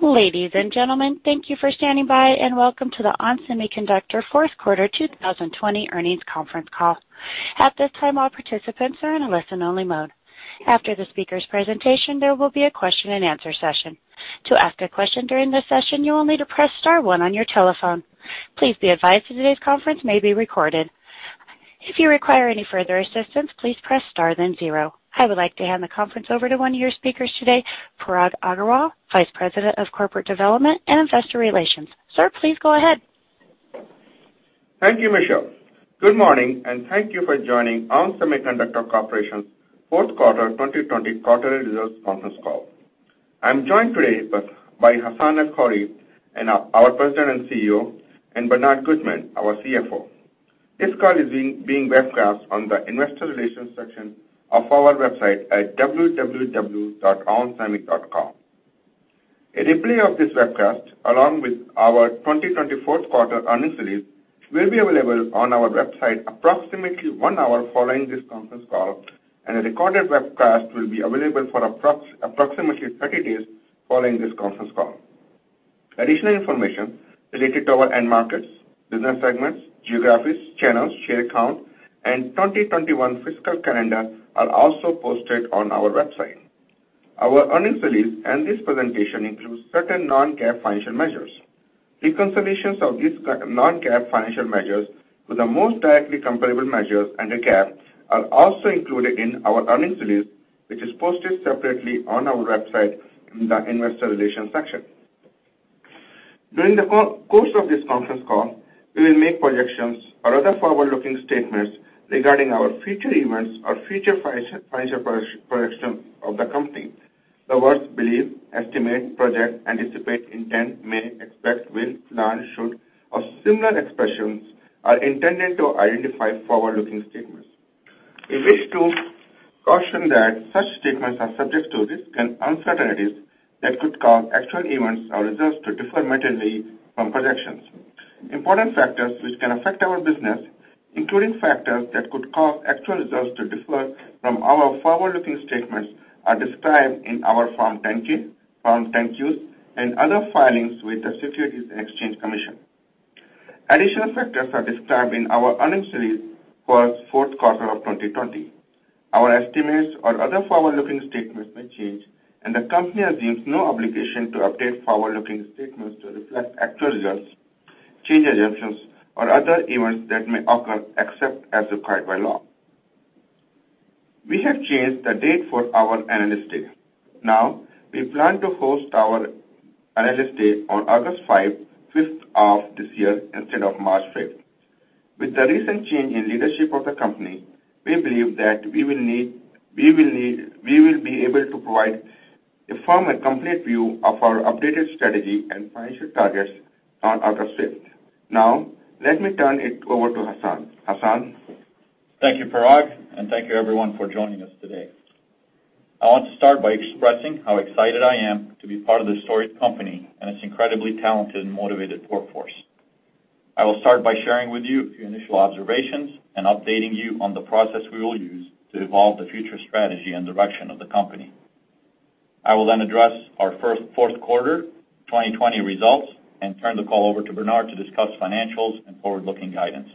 Ladies and gentlemen, thank you for standing by, and welcome to the ON Semiconductor fourth quarter 2020 earnings conference call. At this time, all participants are in a listen-only mode. After the speakers' presentation, there will be a question and answer session. To ask a question during this session, you will need to press star one on your telephone. Please be advised that today's conference may be recorded. If you require any further assistance, please press star then zero. I would like to hand the conference over to one of your speakers today, Parag Agarwal, Vice President of Corporate Development and Investor Relations. Sir, please go ahead. Thank you, Michelle. Good morning, and thank you for joining ON Semiconductor Corporation's fourth quarter 2020 quarterly results conference call. I'm joined today by Hassane El-Khoury, our President and CEO, and Bernard Gutmann, our CFO. This call is being webcast on the investor relations section of our website at www.onsemi.com. A replay of this webcast, along with our 2020 fourth quarter earnings release, will be available on our website approximately one hour following this conference call, and a recorded webcast will be available for approximately 30-days following this conference call. Additional information related to our end markets, business segments, geographies, channels, share count, and 2021 fiscal calendar are also posted on our website. Our earnings release and this presentation includes certain non-GAAP financial measures. Reconciliations of these non-GAAP financial measures with the most directly comparable measures under GAAP are also included in our earnings release, which is posted separately on our website in the investor relations section. During the course of this conference call, we will make projections or other forward-looking statements regarding our future events or future financial projections of the company. The words believe, estimate, project, anticipate, intend, may, expect, will, plan, should, or similar expressions are intended to identify forward-looking statements. We wish to caution that such statements are subject to risks and uncertainties that could cause actual events or results to differ materially from projections. Important factors which can affect our business, including factors that could cause actual results to differ from our forward-looking statements, are described in our Form 10-K, Form 10-Qs, and other filings with the Securities and Exchange Commission. Additional factors are described in our earnings release for the fourth quarter of 2020. Our estimates or other forward-looking statements may change, and the company assumes no obligation to update forward-looking statements to reflect actual results, changed assumptions, or other events that may occur, except as required by law. We have changed the date for our Analyst Day. Now, we plan to host our Analyst Day on August 5th of this year, instead of March 5th. With the recent change in leadership of the company, we believe that we will be able to provide a firm and complete view of our updated strategy and financial targets on August 5th. Now, let me turn it over to Hassane. Hassane? Thank you, Parag, and thank you everyone for joining us today. I want to start by expressing how excited I am to be part of this storied company and its incredibly talented and motivated workforce. I will start by sharing with you a few initial observations and updating you on the process we will use to evolve the future strategy and direction of the company. I will address our fourth quarter 2020 results and turn the call over to Bernard to discuss financials and forward-looking guidance.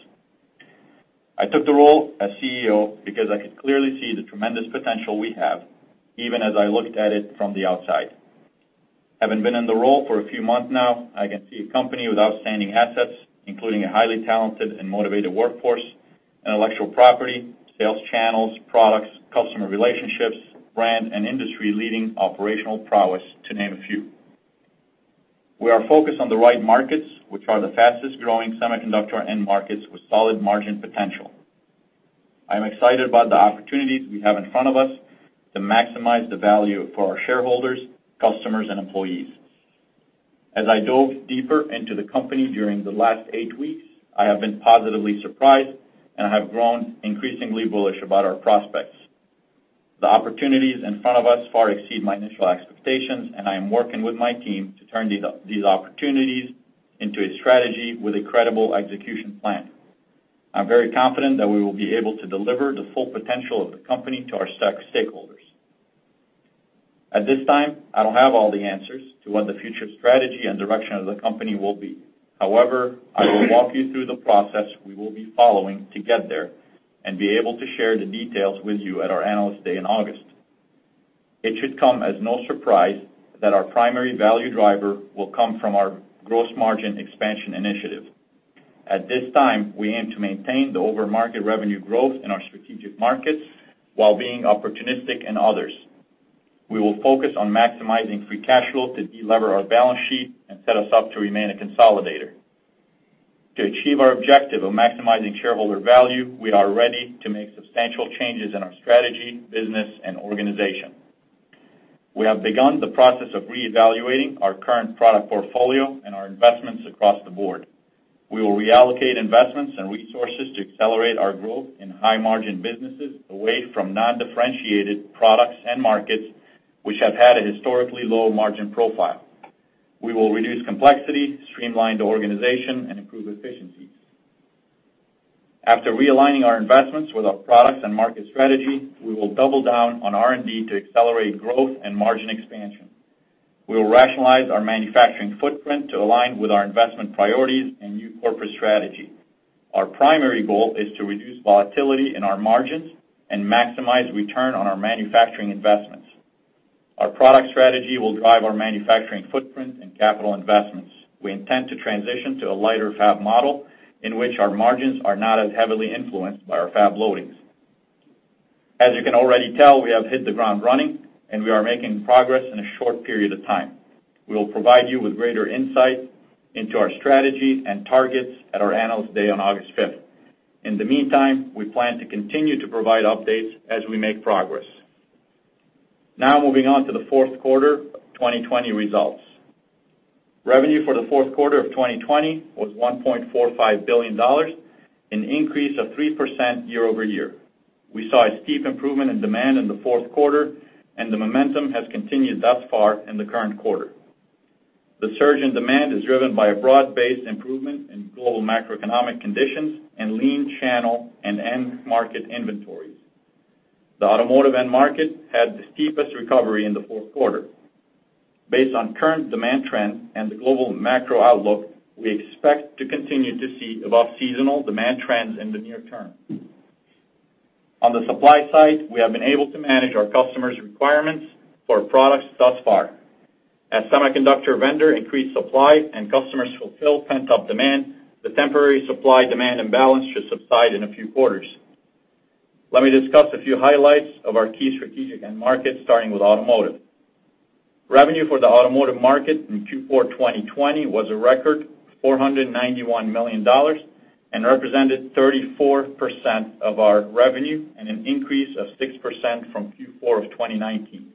I took the role as CEO because I could clearly see the tremendous potential we have, even as I looked at it from the outside. Having been in the role for a few months now, I can see a company with outstanding assets, including a highly talented and motivated workforce, intellectual property, sales channels, products, customer relationships, brand, and industry-leading operational prowess, to name a few. We are focused on the right markets, which are the fastest-growing semiconductor end markets with solid margin potential. I'm excited about the opportunities we have in front of us to maximize the value for our shareholders, customers, and employees. As I dove deeper into the company during the last eight weeks, I have been positively surprised and have grown increasingly bullish about our prospects. The opportunities in front of us far exceed my initial expectations, and I am working with my team to turn these opportunities into a strategy with a credible execution plan. I'm very confident that we will be able to deliver the full potential of the company to our stakeholders. At this time, I don't have all the answers to what the future strategy and direction of the company will be. However, I will walk you through the process we will be following to get there and be able to share the details with you at our Analyst Day in August. It should come as no surprise that our primary value driver will come from our gross margin expansion initiative. At this time, we aim to maintain the over-market revenue growth in our strategic markets while being opportunistic in others. We will focus on maximizing free cash flow to de-lever our balance sheet and set us up to remain a consolidator. To achieve our objective of maximizing shareholder value, we are ready to make substantial changes in our strategy, business, and organization. We have begun the process of reevaluating our current product portfolio and our investments across the board. We will reallocate investments and resources to accelerate our growth in high-margin businesses away from non-differentiated products and markets which have had a historically low margin profile. We will reduce complexity, streamline the organization, and improve efficiency. After realigning our investments with our products and market strategy, we will double down on R&D to accelerate growth and margin expansion. We will rationalize our manufacturing footprint to align with our investment priorities and new corporate strategy. Our primary goal is to reduce volatility in our margins and maximize return on our manufacturing investments. Our product strategy will drive our manufacturing footprint and capital investments. We intend to transition to a lighter fab model, in which our margins are not as heavily influenced by our fab loadings. As you can already tell, we have hit the ground running, and we are making progress in a short period of time. We will provide you with greater insight into our strategy and targets at our Analyst Day on August 5th. In the meantime, we plan to continue to provide updates as we make progress. Now moving on to the fourth quarter of 2020 results. Revenue for the fourth quarter of 2020 was $1.45 billion, an increase of 3% year-over-year. We saw a steep improvement in demand in the fourth quarter, and the momentum has continued thus far in the current quarter. The surge in demand is driven by a broad-based improvement in global macroeconomic conditions and lean channel and end market inventories. The automotive end market had the steepest recovery in the fourth quarter. Based on current demand trends and the global macro outlook, we expect to continue to see above seasonal demand trends in the near term. On the supply side, we have been able to manage our customers' requirements for products thus far. As semiconductor vendor increased supply and customers fulfill pent-up demand, the temporary supply-demand imbalance should subside in a few quarters. Let me discuss a few highlights of our key strategic end markets, starting with automotive. Revenue for the automotive market in Q4 2020 was a record $491 million and represented 34% of our revenue and an increase of 6% from Q4 of 2019.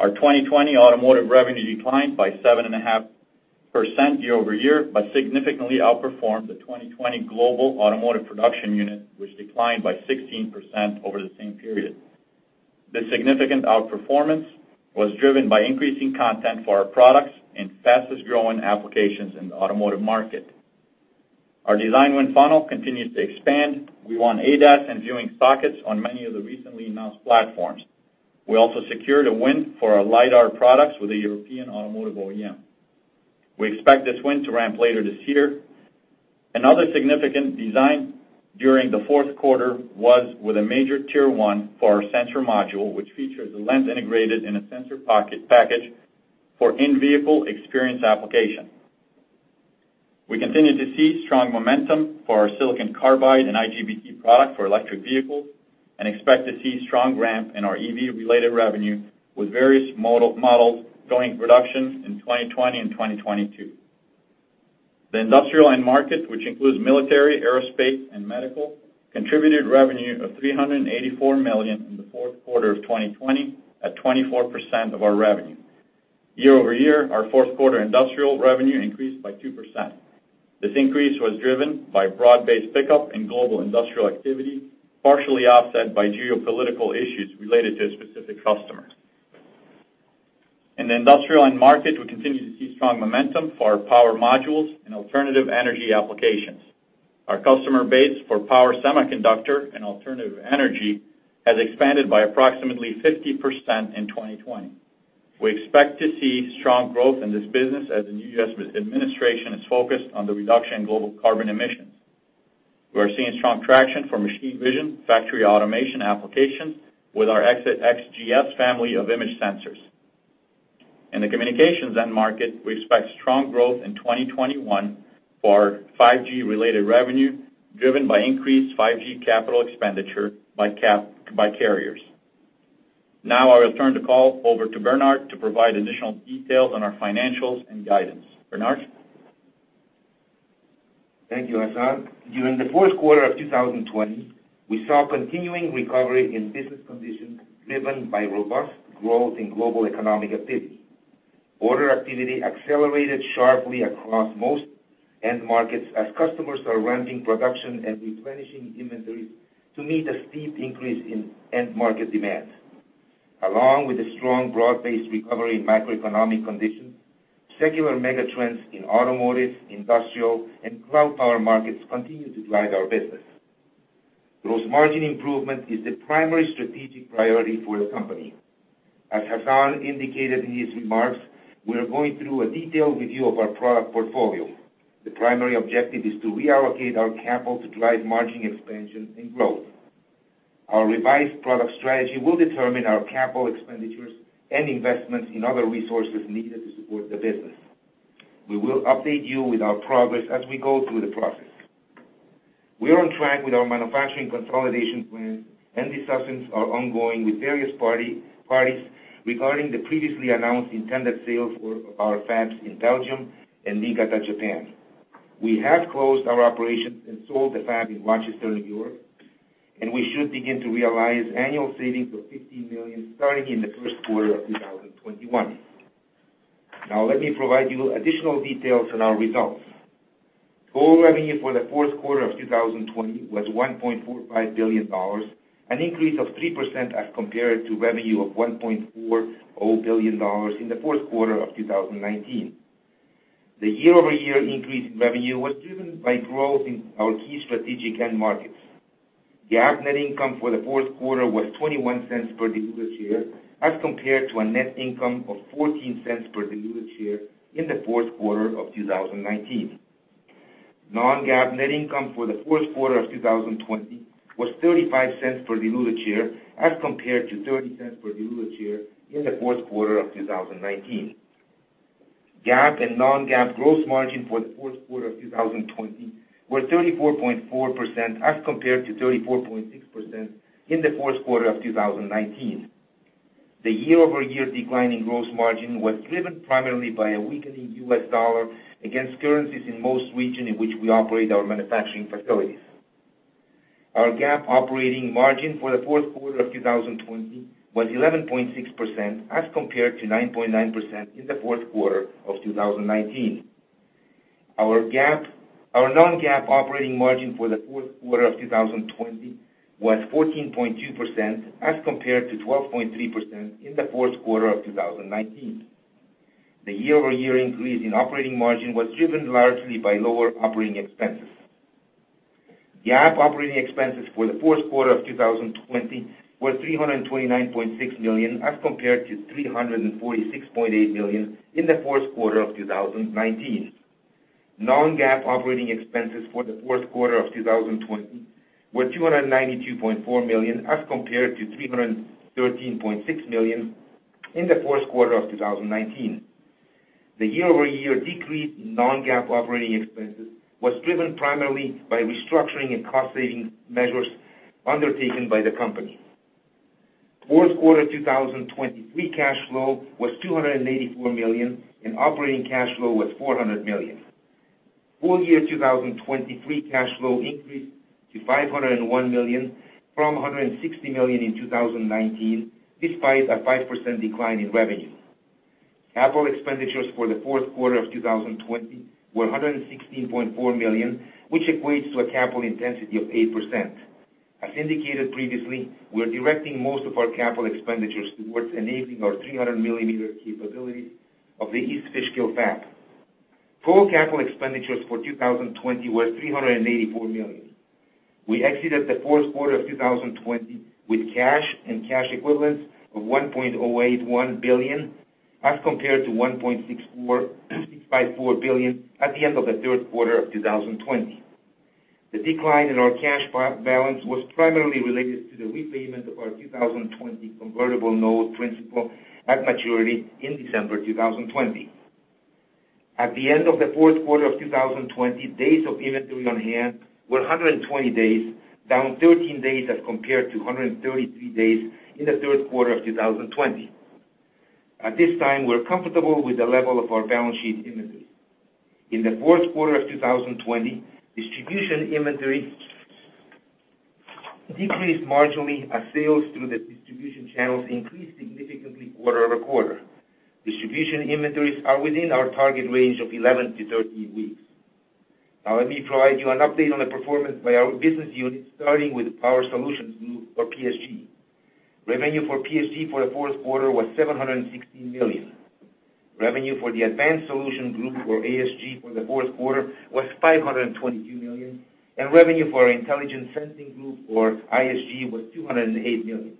Our 2020 automotive revenue declined by 7.5% year-over-year, but significantly outperformed the 2020 global automotive production unit, which declined by 16% over the same period. The significant outperformance was driven by increasing content for our products in fastest-growing applications in the automotive market. Our design win funnel continues to expand. We won ADAS and viewing sockets on many of the recently announced platforms. We also secured a win for our LiDAR products with a European automotive OEM. We expect this win to ramp later this year. Another significant design during the fourth quarter was with a major Tier 1 for our sensor module, which features a lens integrated in a sensor package for in-vehicle experience application. We continue to see strong momentum for our silicon carbide and IGBT product for electric vehicles and expect to see strong ramp in our EV-related revenue with various models going production in 2020 and 2022. The industrial end market, which includes military, aerospace, and medical, contributed revenue of $384 million in the fourth quarter of 2020 at 24% of our revenue. Year-over-year, our fourth quarter industrial revenue increased by 2%. This increase was driven by broad-based pickup in global industrial activity, partially offset by geopolitical issues related to a specific customer. In the industrial end market, we continue to see strong momentum for our power modules and alternative energy applications. Our customer base for power semiconductor and alternative energy has expanded by approximately 50% in 2020. We expect to see strong growth in this business as the new U.S. administration is focused on the reduction in global carbon emissions. We are seeing strong traction for machine vision factory automation applications with our X-Class XGS family of image sensors. In the communications end market, we expect strong growth in 2021 for our 5G-related revenue, driven by increased 5G capital expenditure by carriers. Now I will turn the call over to Bernard to provide additional details on our financials and guidance. Bernard? Thank you, Hassane. During the fourth quarter of 2020, we saw continuing recovery in business conditions driven by robust growth in global economic activity. Order activity accelerated sharply across most end markets as customers are ramping production and replenishing inventories to meet a steep increase in end market demand. Along with the strong broad-based recovery in macroeconomic conditions, secular mega trends in automotive, industrial, and cloud power markets continue to drive our business. Gross margin improvement is the primary strategic priority for the company. As Hassane indicated in his remarks, we are going through a detailed review of our product portfolio. The primary objective is to reallocate our capital to drive margin expansion and growth. Our revised product strategy will determine our capital expenditures and investments in other resources needed to support the business. We will update you with our progress as we go through the process. We are on track with our manufacturing consolidation plan. Discussions are ongoing with various parties regarding the previously announced intended sales for our fabs in Belgium and Niigata, Japan. We have closed our operations and sold the fab in Rochester, N.Y. We should begin to realize annual savings of $15 million starting in the first quarter of 2021. Now let me provide you additional details on our results. Total revenue for the fourth quarter of 2020 was $1.45 billion, an increase of 3% as compared to revenue of $1.40 billion in the fourth quarter of 2019. The year-over-year increase in revenue was driven by growth in our key strategic end markets. GAAP net income for the fourth quarter was $0.21 per diluted share as compared to a net income of $0.14 per diluted share in the fourth quarter of 2019. Non-GAAP net income for the fourth quarter of 2020 was $0.35 per diluted share as compared to $0.30 per diluted share in the fourth quarter of 2019. GAAP and non-GAAP gross margin for the fourth quarter of 2020 were 34.4% as compared to 34.6% in the fourth quarter of 2019. The year-over-year decline in gross margin was driven primarily by a weakening U.S. dollar against currencies in most regions in which we operate our manufacturing facilities. Our GAAP operating margin for the fourth quarter of 2020 was 11.6% as compared to 9.9% in the fourth quarter of 2019. Our non-GAAP operating margin for the fourth quarter of 2020 was 14.2% as compared to 12.3% in the fourth quarter of 2019. The year-over-year increase in operating margin was driven largely by lower operating expenses. GAAP operating expenses for the fourth quarter of 2020 were $329.6 million as compared to $346.8 million in the fourth quarter of 2019. Non-GAAP operating expenses for the fourth quarter of 2020 were $292.4 million as compared to $313.6 million in the fourth quarter of 2019. The year-over-year decrease in non-GAAP operating expenses was driven primarily by restructuring and cost-saving measures undertaken by the company. Fourth quarter 2020 free cash flow was $284 million, and operating cash flow was $400 million. Full year 2020 free cash flow increased to $501 million from $160 million in 2019, despite a 5% decline in revenue. Capital expenditures for the fourth quarter of 2020 were $116.4 million, which equates to a capital intensity of 8%. As indicated previously, we're directing most of our capital expenditures towards enabling our 300-millimeter capability of the East Fishkill fab. Total capital expenditures for 2020 were $384 million. We exited the fourth quarter of 2020 with cash and cash equivalents of $1.081 billion as compared to $1.654 billion at the end of the third quarter of 2020. The decline in our cash balance was primarily related to the repayment of our 2020 convertible note principal at maturity in December 2020. At the end of the fourth quarter of 2020, days of inventory on hand were 120-days down 13-days as compared to 133-days in the third quarter of 2020. At this time, we're comfortable with the level of our balance sheet inventory. In the fourth quarter of 2020, distribution inventory decreased marginally as sales through the distribution channels increased significantly quarter-over-quarter. Distribution inventories are within our target range of 11-13 weeks. Let me provide you an update on the performance by our business units starting with Power Solutions Group or PSG. Revenue for PSG for the fourth quarter was $716 million. Revenue for the Advanced Solutions Group, or ASG, for the fourth quarter was $522 million. Revenue for our Intelligent Sensing Group, or ISG, was $208 million.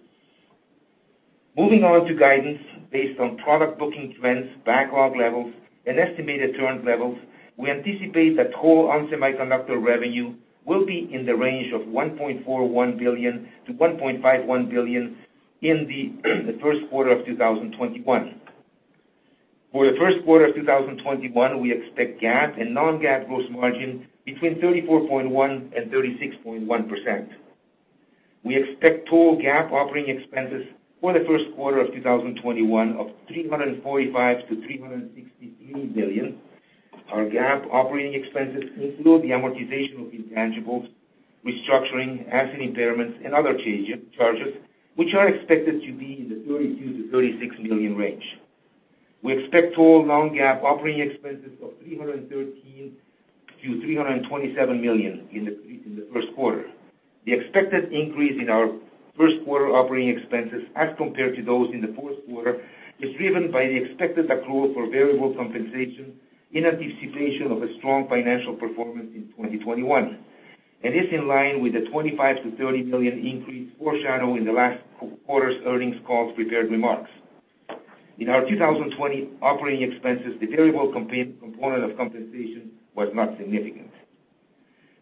Moving on to guidance based on product booking trends, backlog levels, and estimated turn levels, we anticipate that total ON Semiconductor revenue will be in the range of $1.41 billion-$1.51 billion in the first quarter of 2021. For the first quarter of 2021, we expect GAAP and non-GAAP gross margin between 34.1% and 36.1%. We expect total GAAP operating expenses for the first quarter of 2021 of $345 million-$363 million. Our GAAP operating expenses include the amortization of intangibles, restructuring, asset impairments, and other charges, which are expected to be in the $32 million-$36 million range. We expect total non-GAAP operating expenses of $313 million-$327 million in the first quarter. The expected increase in our first quarter operating expenses as compared to those in the fourth quarter is driven by the expected accrual for variable compensation in anticipation of a strong financial performance in 2021. It is in line with the $25 million-$30 million increase foreshadowed in the last quarter's earnings call's prepared remarks. In our 2020 operating expenses, the variable component of compensation was not significant.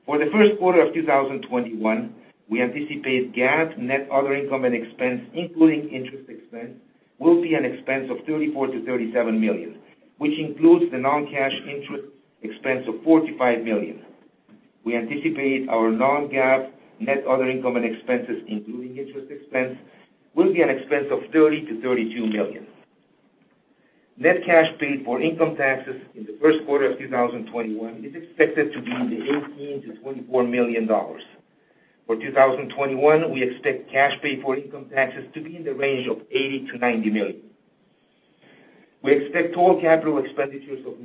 For the first quarter of 2021, we anticipate GAAP net other income and expense, including interest expense, will be an expense of $34 million-$37 million, which includes the non-cash interest expense of $45 million. We anticipate our non-GAAP net other income and expenses, including interest expense, will be an expense of $30 million-$32 million. Net cash paid for income taxes in the first quarter of 2021 is expected to be $18 million-$24 million. For 2021, we expect cash paid for income taxes to be in the range of $80 million-$90 million. We expect total capital expenditures of $90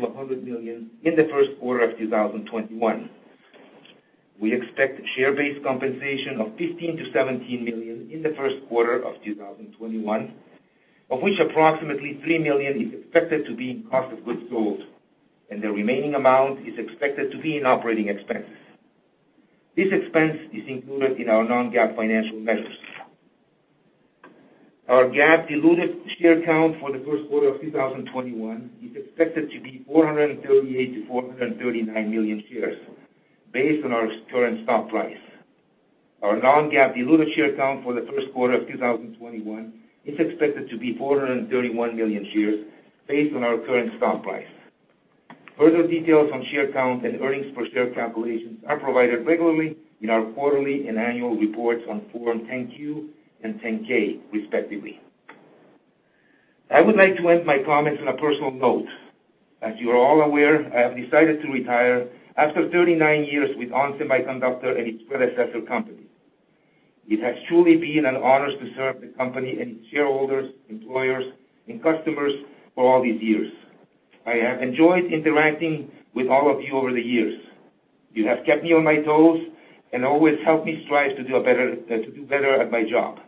million-$100 million in the first quarter of 2021. We expect share-based compensation of $15 million-$17 million in the first quarter of 2021, of which approximately $3 million is expected to be in cost of goods sold, and the remaining amount is expected to be in operating expenses. This expense is included in our non-GAAP financial measures. Our GAAP diluted share count for the first quarter of 2021 is expected to be 438 million-439 million shares based on our current stock price. Our non-GAAP diluted share count for the first quarter of 2021 is expected to be 431 million shares based on our current stock price. Further details on share count and earnings per share calculations are provided regularly in our quarterly and annual reports on Form 10-Q and 10-K, respectively. I would like to end my comments on a personal note. As you are all aware, I have decided to retire after 39-years with ON Semiconductor and its predecessor company. It has truly been an honor to serve the company and its shareholders, employers, and customers for all these years. I have enjoyed interacting with all of you over the years. You have kept me on my toes and always helped me strive to do better at my job.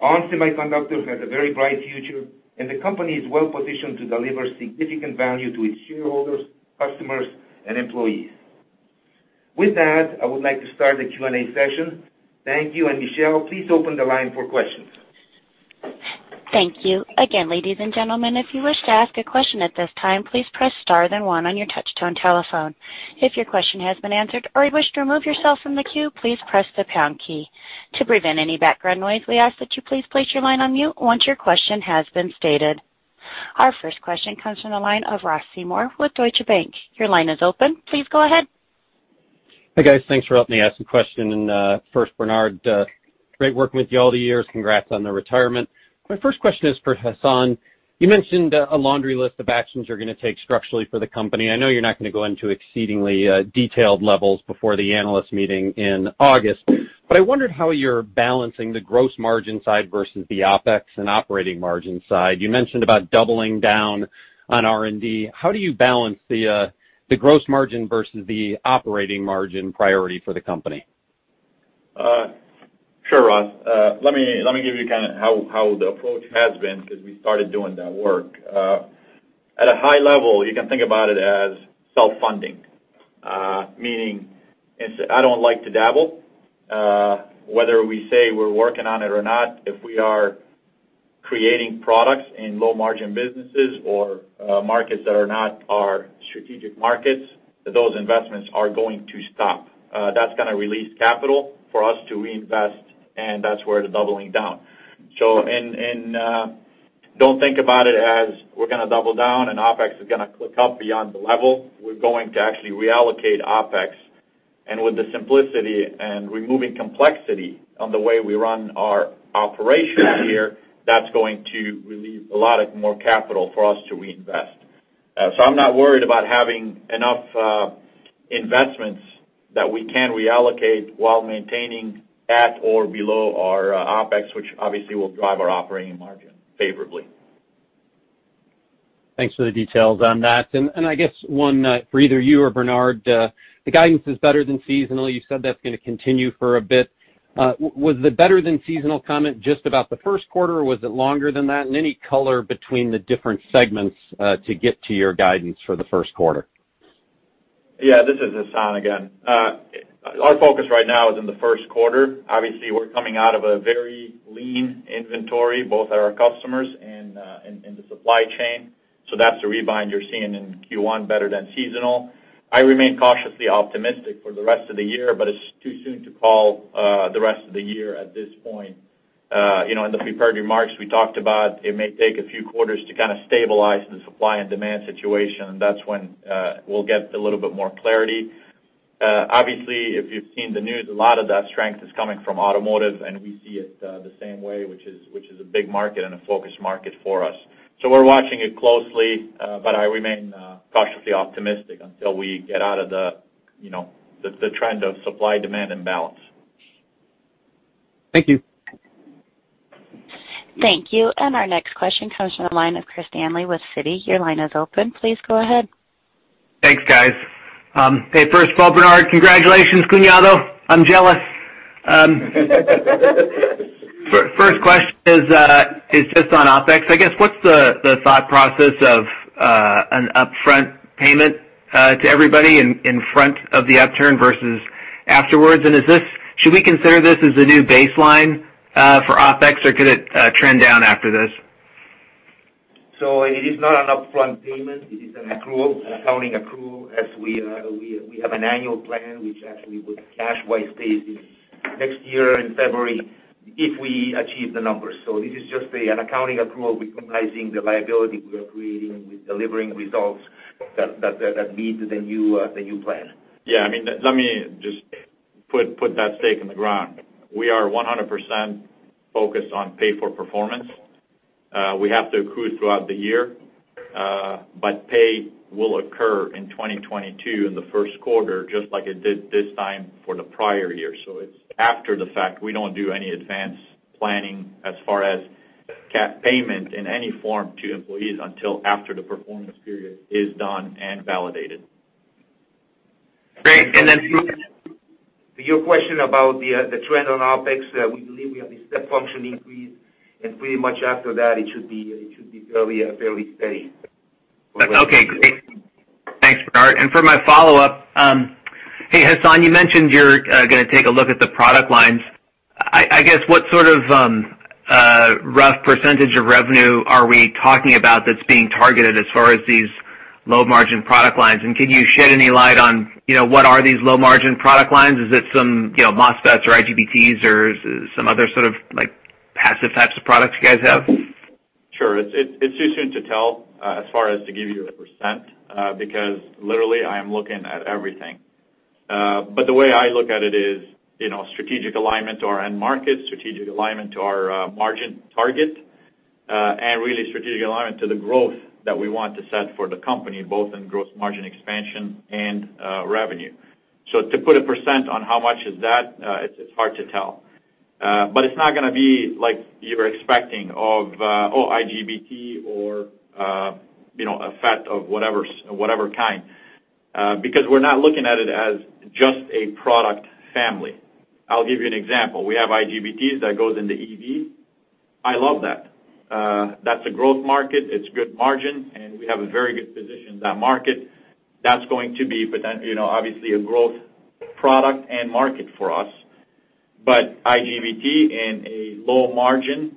ON Semiconductor has a very bright future, and the company is well-positioned to deliver significant value to its shareholders, customers, and employees. With that, I would like to start the Q&A session. Thank you. Michelle, please open the line for questions. Thank you. Again ladies and gentlemen, if you wish to ask a question at this time, please press start then one on your touchtone telephone. If your question has been answered or you wish to remove yourself from the please press the pound key. To prevent any background noise, we ask that you please place your line on mute once your question has been stated. Our first question comes from the line of Ross Seymore with Deutsche Bank. Your line is open. Please go ahead. Hi, guys. Thanks for letting me ask the question. First, Bernard Gutmann, great working with you all the years. Congrats on the retirement. My first question is for Hassane. You mentioned a laundry list of actions you're going to take structurally for the company. I know you're not going to go into exceedingly detailed levels before the Analyst Day in August, but I wondered how you're balancing the gross margin side versus the OpEx and operating margin side. You mentioned about doubling down on R&D. How do you balance the gross margin versus the operating margin priority for the company? Sure, Ross. Let me give you how the approach has been because we started doing that work. At a high level, you can think about it as self-funding, meaning I don't like to dabble. Whether we say we're working on it or not, if we are creating products in low-margin businesses or markets that are not our strategic markets, those investments are going to stop. That's going to release capital for us to reinvest, that's where the doubling down. Don't think about it as we're going to double down and OpEx is going to click up beyond the level. We're going to actually reallocate OpEx. With the simplicity and removing complexity on the way we run our operations here, that's going to relieve a lot more capital for us to reinvest. I'm not worried about having enough investments that we can reallocate while maintaining at or below our OpEx, which obviously will drive our operating margin favorably. Thanks for the details on that. I guess one for either you or Bernard, the guidance is better than seasonal. You said that's going to continue for a bit. Was the better than seasonal comment just about the first quarter, or was it longer than that? Any color between the different segments to get to your guidance for the first quarter? Yeah. This is Hassane again. Our focus right now is on the first quarter. Obviously, we're coming out of a very lean inventory, both at our customers and the supply chain. That's the rebound you're seeing in Q1, better than seasonal. I remain cautiously optimistic for the rest of the year, but it's too soon to call the rest of the year at this point. In the prepared remarks we talked about, it may take a few quarters to stabilize the supply and demand situation, and that's when we'll get a little bit more clarity. Obviously, if you've seen the news, a lot of that strength is coming from automotive, and we see it the same way, which is a big market and a focus market for us. We're watching it closely, but I remain cautiously optimistic until we get out of the trend of supply-demand imbalance. Thank you. Thank you. Our next question comes from the line of Chris Danely with Citi. Your line is open. Please go ahead. Thanks, guys. Hey, first of all, Bernard, congratulations, cunhado. I'm jealous. First question is just on OpEx. I guess what's the thought process of an upfront payment to everybody in front of the upturn versus afterwards? Should we consider this as the new baseline for OpEx, or could it trend down after this? It is not an upfront payment. It is an accrual, an accounting accrual, as we have an annual plan which actually would cash-wise pay this next year in February if we achieve the numbers. This is just an accounting accrual recognizing the liability we are creating with delivering results that meet the new plan. Yeah. Let me just put that stake in the ground. We are 100% focused on pay for performance. We have to accrue throughout the year, pay will occur in 2022 in the first quarter, just like it did this time for the prior year. It's after the fact. We don't do any advance planning as far as cash payment in any form to employees until after the performance period is done and validated. Great. To your question about the trend on OpEx, we believe we have a step function increase, and pretty much after that, it should be fairly steady. Okay, great. Thanks, Bernard. For my follow-up, hey, Hassane, you mentioned you're going to take a look at the product lines. I guess what sort of rough percentage of revenue are we talking about that's being targeted as far as these low-margin product lines? Can you shed any light on what are these low-margin product lines? Is it some MOSFETs or IGBTs or some other sort of passive types of products you guys have? Sure. It's too soon to tell as far as to give you a percent, because literally I am looking at everything. The way I look at it is, strategic alignment to our end market, strategic alignment to our margin target, and really strategic alignment to the growth that we want to set for the company, both in gross margin expansion and revenue. To put a percent on how much is that, it's hard to tell. It's not going to be like you were expecting of, oh, IGBT or a FET of whatever kind. We're not looking at it as just a product family. I'll give you an example. We have IGBTs that goes into EV. I love that. That's a growth market, it's good margin, and we have a very good position in that market. That's going to be, obviously, a growth product and market for us. IGBT in a low-margin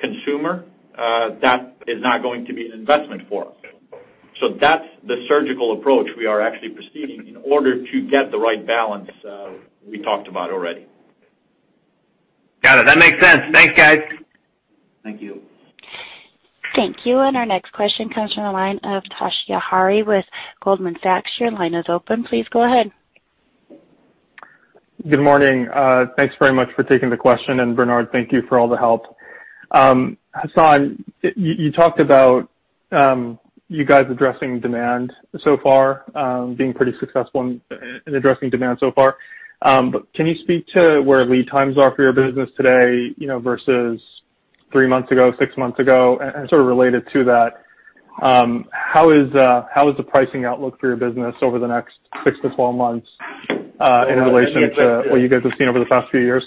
consumer, that is not going to be an investment for us. That's the surgical approach we are actually proceeding in order to get the right balance we talked about already. Got it. That makes sense. Thanks, guys. Thank you. Thank you. Our next question comes from the line of Toshiya Hari with Goldman Sachs. Your line is open. Please go ahead. Good morning. Thanks very much for taking the question, and Bernard, thank you for all the help. Hassane, you talked about you guys addressing demand so far, being pretty successful in addressing demand so far. Can you speak to where lead times are for your business today, versus three months ago, six months ago? Sort of related to that, how is the pricing outlook for your business over the next 6-12 months in relation to what you guys have seen over the past few years?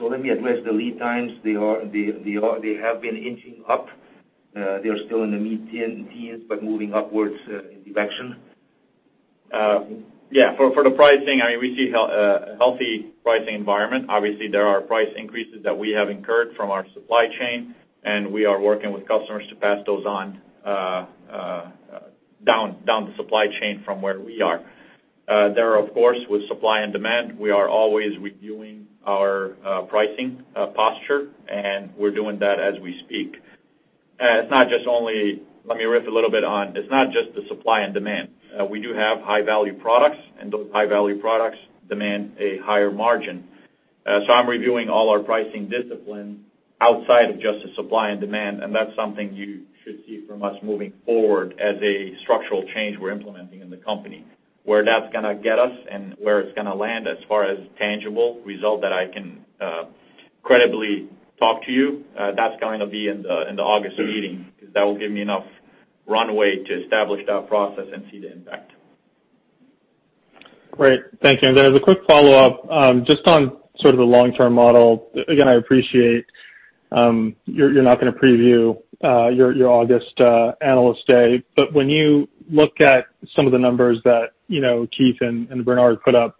Let me address the lead times. They have been inching up. They are still in the mid-teens, but moving upwards in direction. For the pricing, we see a healthy pricing environment. Obviously, there are price increases that we have incurred from our supply chain, and we are working with customers to pass those on down the supply chain from where we are. There are, of course, with supply and demand, we are always reviewing our pricing posture, and we're doing that as we speak. Let me riff a little bit on, it's not just the supply and demand. We do have high-value products, and those high-value products demand a higher margin. I'm reviewing all our pricing discipline outside of just the supply and demand, and that's something you should see from us moving forward as a structural change we're implementing in the company. Where that's going to get us and where it's going to land as far as tangible result that I can credibly talk to you, that's going to be in the August meeting, because that will give me enough runway to establish that process and see the impact. Great. Thank you. There's a quick follow-up, just on sort of the long-term model. I appreciate you're not going to preview your August Analyst Day, when you look at some of the numbers that Keith and Bernard put up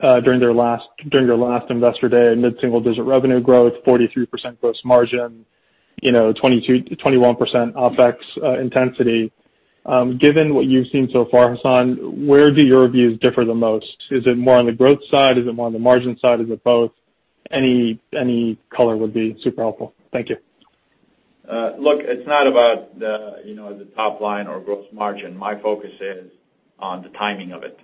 during their last Investor Day, mid-single-digit revenue growth, 43% gross margin, 21% OpEx intensity. Given what you've seen so far, Hassane, where do your views differ the most? Is it more on the growth side? Is it more on the margin side? Is it both? Any color would be super helpful. Thank you. Look, it's not about the top line or gross margin. My focus is on the timing of it.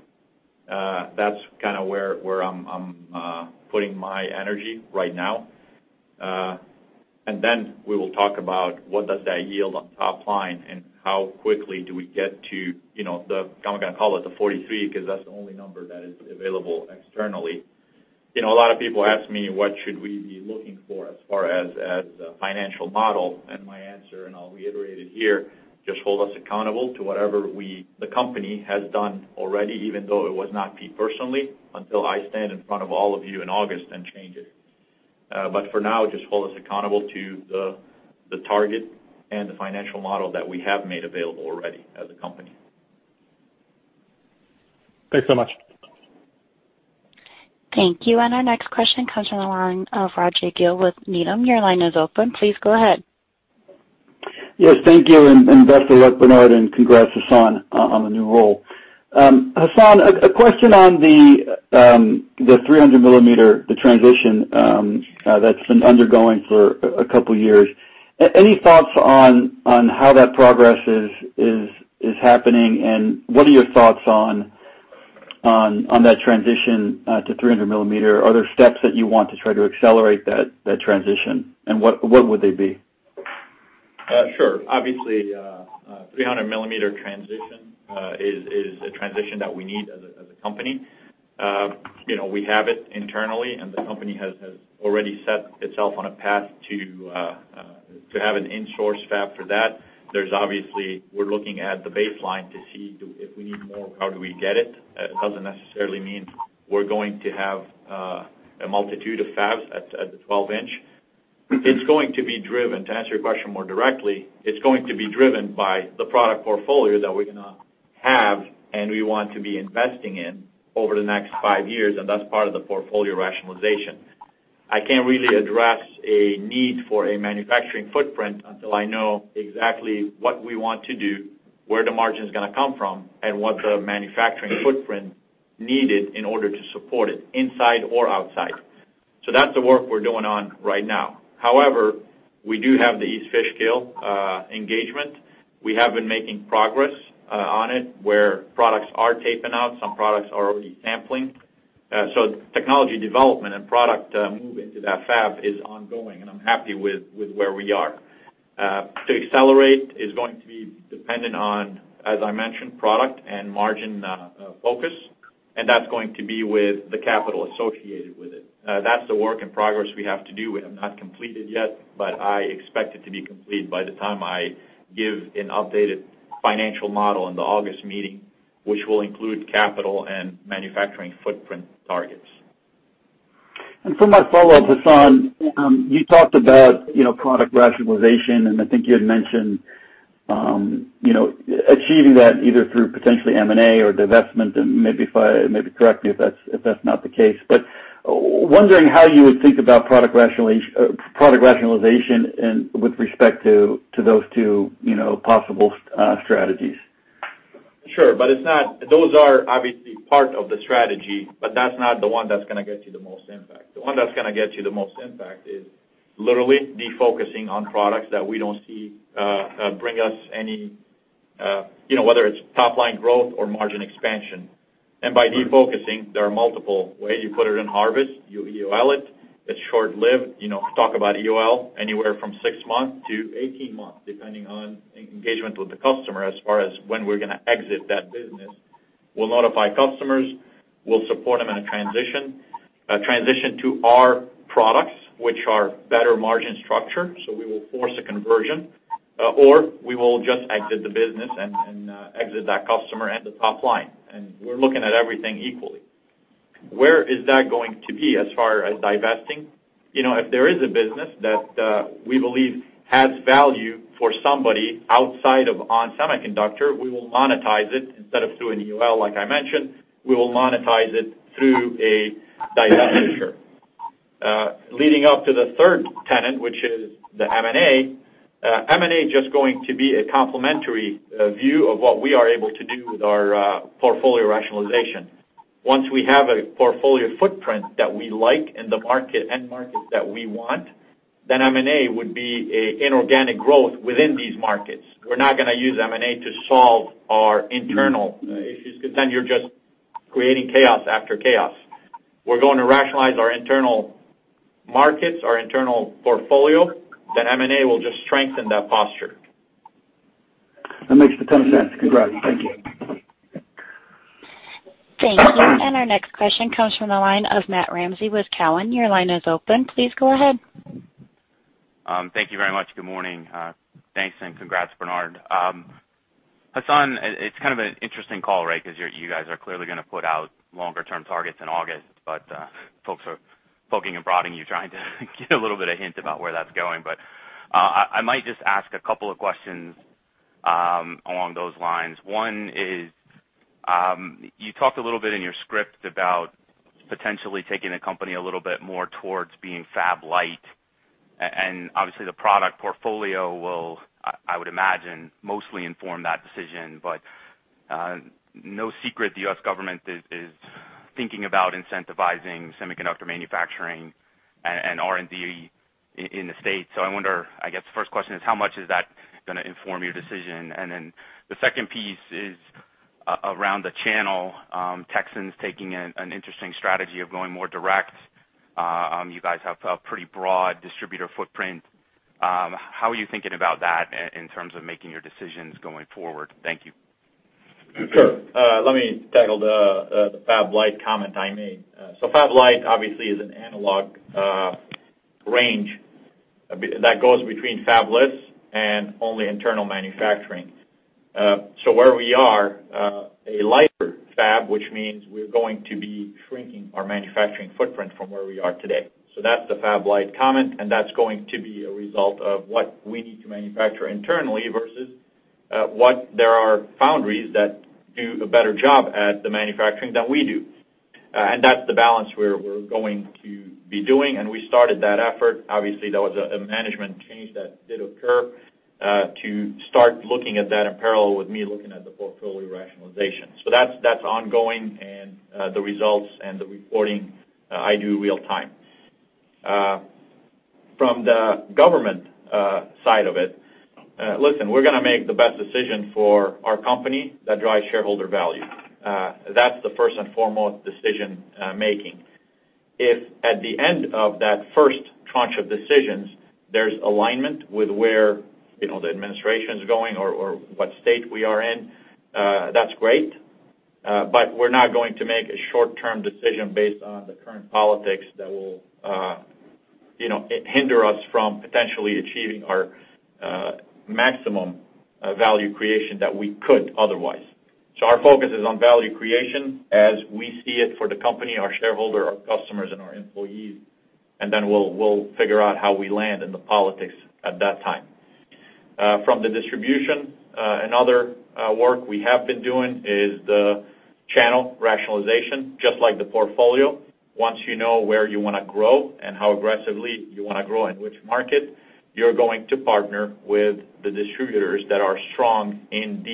That's kind of where I'm putting my energy right now. Then we will talk about what does that yield on top line, and how quickly do we get to, I'm going to call it the 43%, because that's the only number that is available externally. A lot of people ask me, what should we be looking for as far as the financial model? My answer, and I'll reiterate it here, just hold us accountable to whatever the company has done already, even though it was not me personally, until I stand in front of all of you in August and change it. For now, just hold us accountable to the target and the financial model that we have made available already as a company. Thanks so much. Thank you. Our next question comes from the line of Rajvindra Gill with Needham. Your line is open. Please go ahead. Yes, thank you, and best of luck, Bernard, and congrats, Hassane, on the new role. Hassane, a question on the 300-millimeter, the transition that's been undergoing for a couple of years. Any thoughts on how that progress is happening, and what are your thoughts on that transition to 300-millimeter? Are there steps that you want to try to accelerate that transition? What would they be? Sure. Obviously, 300-millimeter transition is a transition that we need as a company. We have it internally, the company has already set itself on a path to have an in-source fab for that. Obviously, we're looking at the baseline to see if we need more, how do we get it? It doesn't necessarily mean we're going to have a multitude of fabs at the 12-inch. To answer your question more directly, it's going to be driven by the product portfolio that we're going to have and we want to be investing in over the next five years, and that's part of the portfolio rationalization. I can't really address a need for a manufacturing footprint until I know exactly what we want to do, where the margin's going to come from, and what the manufacturing footprint needed in order to support it inside or outside. That's the work we're doing on right now. However, we do have the East Fishkill engagement. We have been making progress on it, where products are taping out, some products are already sampling. Technology development and product move into that fab is ongoing, and I'm happy with where we are. To accelerate is going to be dependent on, as I mentioned, product and margin focus, and that's going to be with the capital associated with it. That's the work in progress we have to do and have not completed yet, but I expect it to be complete by the time I give an updated financial model in the August meeting, which will include capital and manufacturing footprint targets. For my follow-up, Hassane, you talked about product rationalization, and I think you had mentioned achieving that either through potentially M&A or divestment, and maybe correct me if that's not the case. Wondering how you would think about product rationalization and with respect to those two possible strategies. Sure. Those are obviously part of the strategy, that's not the one that's going to get you the most impact. The one that's going to get you the most impact is literally defocusing on products that we don't see bring us any, whether it's top-line growth or margin expansion. By defocusing, there are multiple ways. You put it in harvest, you EOL it's short-lived. Talk about EOL, anywhere from six months to 18-months, depending on engagement with the customer as far as when we're going to exit that business. We'll notify customers, we'll support them in a transition to our products, which are better margin structure, we will force a conversion. We will just exit the business and exit that customer and the top line, we're looking at everything equally. Where is that going to be as far as divesting? If there is a business that we believe has value for somebody outside of ON Semiconductor, we will monetize it instead of through an EOL, like I mentioned. We will monetize it through a divestiture. Leading up to the third tenet, which is the M&A. M&A just going to be a complementary view of what we are able to do with our portfolio rationalization. Once we have a portfolio footprint that we like in the end markets that we want, M&A would be inorganic growth within these markets. We're not going to use M&A to solve our internal issues, because you're just creating chaos after chaos. We're going to rationalize our internal markets, our internal portfolio, M&A will just strengthen that posture. That makes a ton of sense. Congrats. Thank you. Thank you. Our next question comes from the line of Matt Ramsay with Cowen. Your line is open. Please go ahead. Thank you very much. Good morning. Thanks and congrats, Bernard. Hassane, it's kind of an interesting call, right? You guys are clearly going to put out longer term targets in August, but folks are poking and prodding you, trying to get a little bit of hint about where that's going. I might just ask a couple of questions along those lines. One is, you talked a little bit in your script about potentially taking the company a little bit more towards being fab-lite, and obviously, the product portfolio will, I would imagine, mostly inform that decision. No secret the U.S. government is thinking about incentivizing semiconductor manufacturing and R&D in the States. I wonder, I guess the first question is, how much is that going to inform your decision? The second piece is around the channel. Texas Instruments is taking an interesting strategy of going more direct. You guys have a pretty broad distributor footprint. How are you thinking about that in terms of making your decisions going forward? Thank you. Sure. Let me tackle the fab-lite comment I made. Fab-lite obviously is an analog range that goes between fabless and only internal manufacturing. Where we are, a lighter fab, which means we're going to be shrinking our manufacturing footprint from where we are today. That's the fab-lite comment, that's going to be a result of what we need to manufacture internally versus what there are foundries that do a better job at the manufacturing than we do. That's the balance we're going to be doing, and we started that effort. There was a management change that did occur to start looking at that in parallel with me looking at the portfolio rationalization. That's ongoing, and the results and the reporting I do real time. From the government side of it, listen, we're going to make the best decision for our company that drives shareholder value. That's the first and foremost decision-making. If at the end of that first tranche of decisions, there's alignment with where the administration's going or what state we are in, that's great. We're not going to make a short-term decision based on the current politics that will hinder us from potentially achieving our maximum value creation that we could otherwise. Our focus is on value creation as we see it for the company, our shareholder, our customers, and our employees, and then we'll figure out how we land in the politics at that time. From the distribution and other work we have been doing is the channel rationalization. Just like the portfolio, once you know where you want to grow and how aggressively you want to grow, in which market, you're going to partner with the distributors that are strong in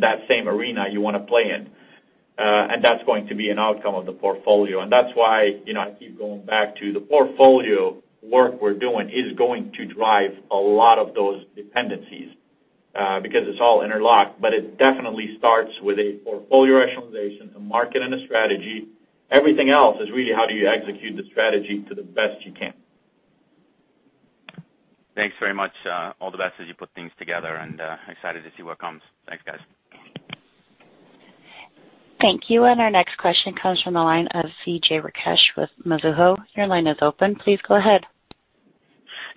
that same arena you want to play in. That's going to be an outcome of the portfolio. That's why I keep going back to the portfolio work we're doing is going to drive a lot of those dependencies, because it's all interlocked. It definitely starts with a portfolio rationalization, a market, and a strategy. Everything else is really how do you execute the strategy to the best you can. Thanks very much. All the best as you put things together, and excited to see what comes. Thanks, guys. Thank you. Our next question comes from the line of Vijay Rakesh with Mizuho. Your line is open. Please go ahead.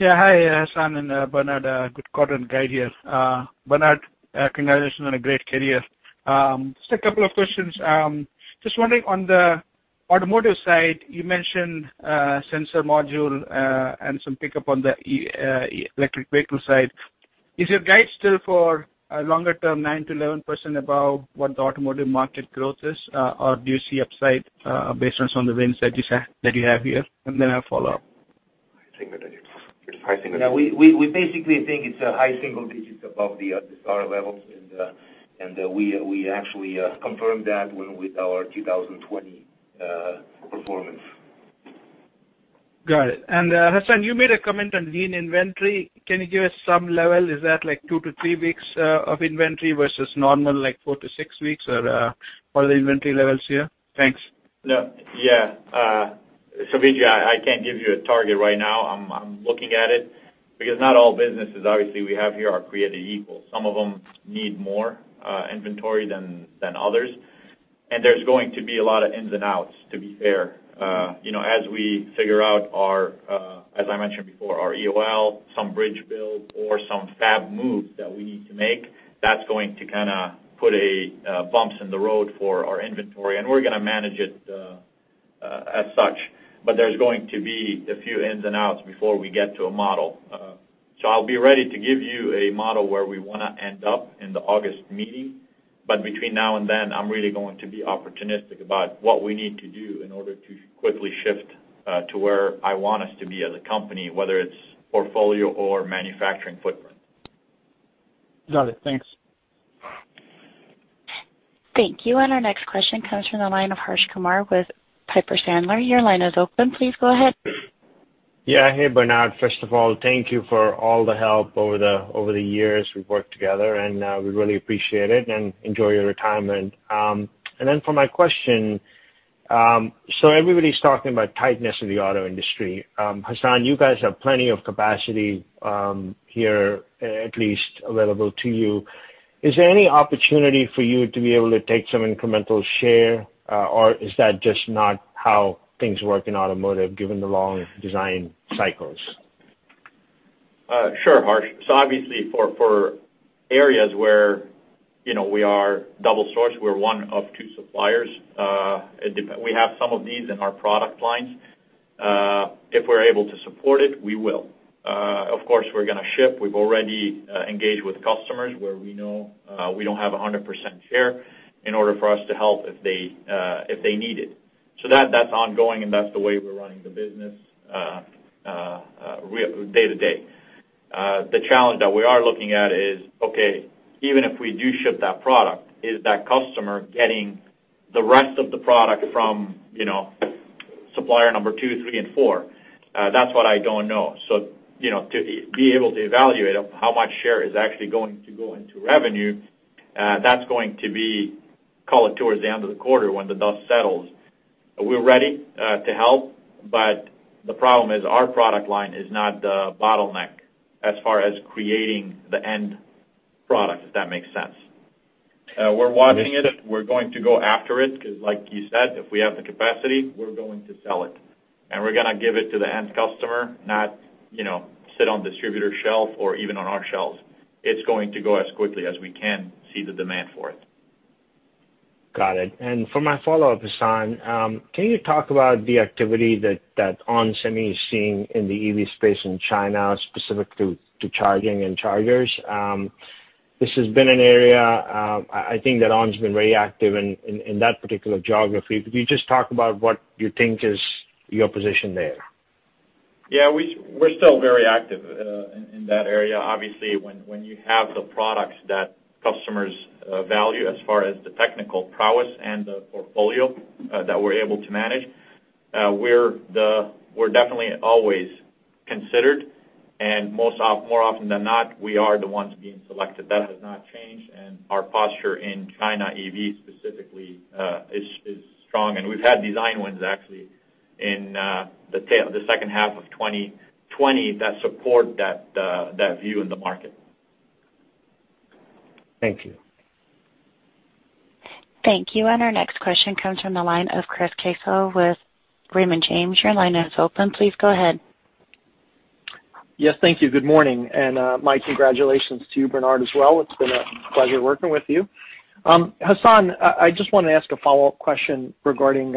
Hi, Hassane and Bernard. Good quarter and guide here. Bernard, congratulations on a great career. A couple of questions. Wondering on the automotive side, you mentioned sensor module, and some pickup on the electric vehicle side. Is your guide still for a longer term, 9%-11% above what the automotive market growth is? Do you see upside, based on some of the wins that you have here? I follow up. High single digits. Yeah, we basically think it's a high single digits above the current levels, and we actually confirmed that with our 2020 performance. Got it. Hassane, you made a comment on lean inventory. Can you give us some level? Is that two to three weeks of inventory versus normal, like four to six weeks? Or what are the inventory levels here? Thanks. Yeah. Vijay, I can't give you a target right now. I'm looking at it, because not all businesses, obviously, we have here are created equal. Some of them need more inventory than others, and there's going to be a lot of ins and outs to be fair. As we figure out our, as I mentioned before, our EOL, some bridge build or some fab moves that we need to make, that's going to put bumps in the road for our inventory, and we're going to manage it as such. There's going to be a few ins and outs before we get to a model. I'll be ready to give you a model where we want to end up in the August meeting, but between now and then, I'm really going to be opportunistic about what we need to do in order to quickly shift to where I want us to be as a company, whether it's portfolio or manufacturing footprint. Got it. Thanks. Thank you. Our next question comes from the line of Harsh Kumar with Piper Sandler. Your line is open. Please go ahead. Yeah. Hey, Bernard. First of all, thank you for all the help over the years we've worked together, and we really appreciate it and enjoy your retirement. For my question, everybody's talking about tightness in the auto industry. Hassane, you guys have plenty of capacity, here at least available to you. Is there any opportunity for you to be able to take some incremental share? Is that just not how things work in automotive, given the long design cycles? Sure, Harsh. Obviously for areas where we are double source, we're one of two suppliers. We have some of these in our product lines. If we're able to support it, we will. Of course, we're going to ship. We've already engaged with customers where we know we don't have 100% share in order for us to help if they need it. That's ongoing, and that's the way we're running the business day-to-day. The challenge that we are looking at is, okay, even if we do ship that product, is that customer getting the rest of the product from supplier number two, three, and four? That's what I don't know. To be able to evaluate how much share is actually going to go into revenue, that's going to be call it towards the end of the quarter when the dust settles. We're ready to help, but the problem is our product line is not the bottleneck as far as creating the end product, if that makes sense. We're watching it. We're going to go after it, because like you said, if we have the capacity, we're going to sell it, and we're going to give it to the end customer, not sit on distributor shelf or even on our shelves. It's going to go as quickly as we can see the demand for it. Got it. For my follow-up, Hassane, can you talk about the activity that ON Semi is seeing in the EV space in China, specific to charging and chargers? This has been an area, I think that ON's been very active in that particular geography. Could you just talk about what you think is your position there? Yeah, we're still very active in that area. Obviously, when you have the products that customers value as far as the technical prowess and the portfolio that we're able to manage, we're definitely always considered, and more often than not, we are the ones being selected. That has not changed. Our posture in China EV specifically, is strong. We've had design wins actually in the second half of 2020 that support that view in the market. Thank you. Thank you. Our next question comes from the line of Chris Caso with Raymond James. Your line is open. Please go ahead. Yes, thank you. Good morning. My congratulations to you, Bernard, as well. It's been a pleasure working with you. Hassane, I just want to ask a follow-up question regarding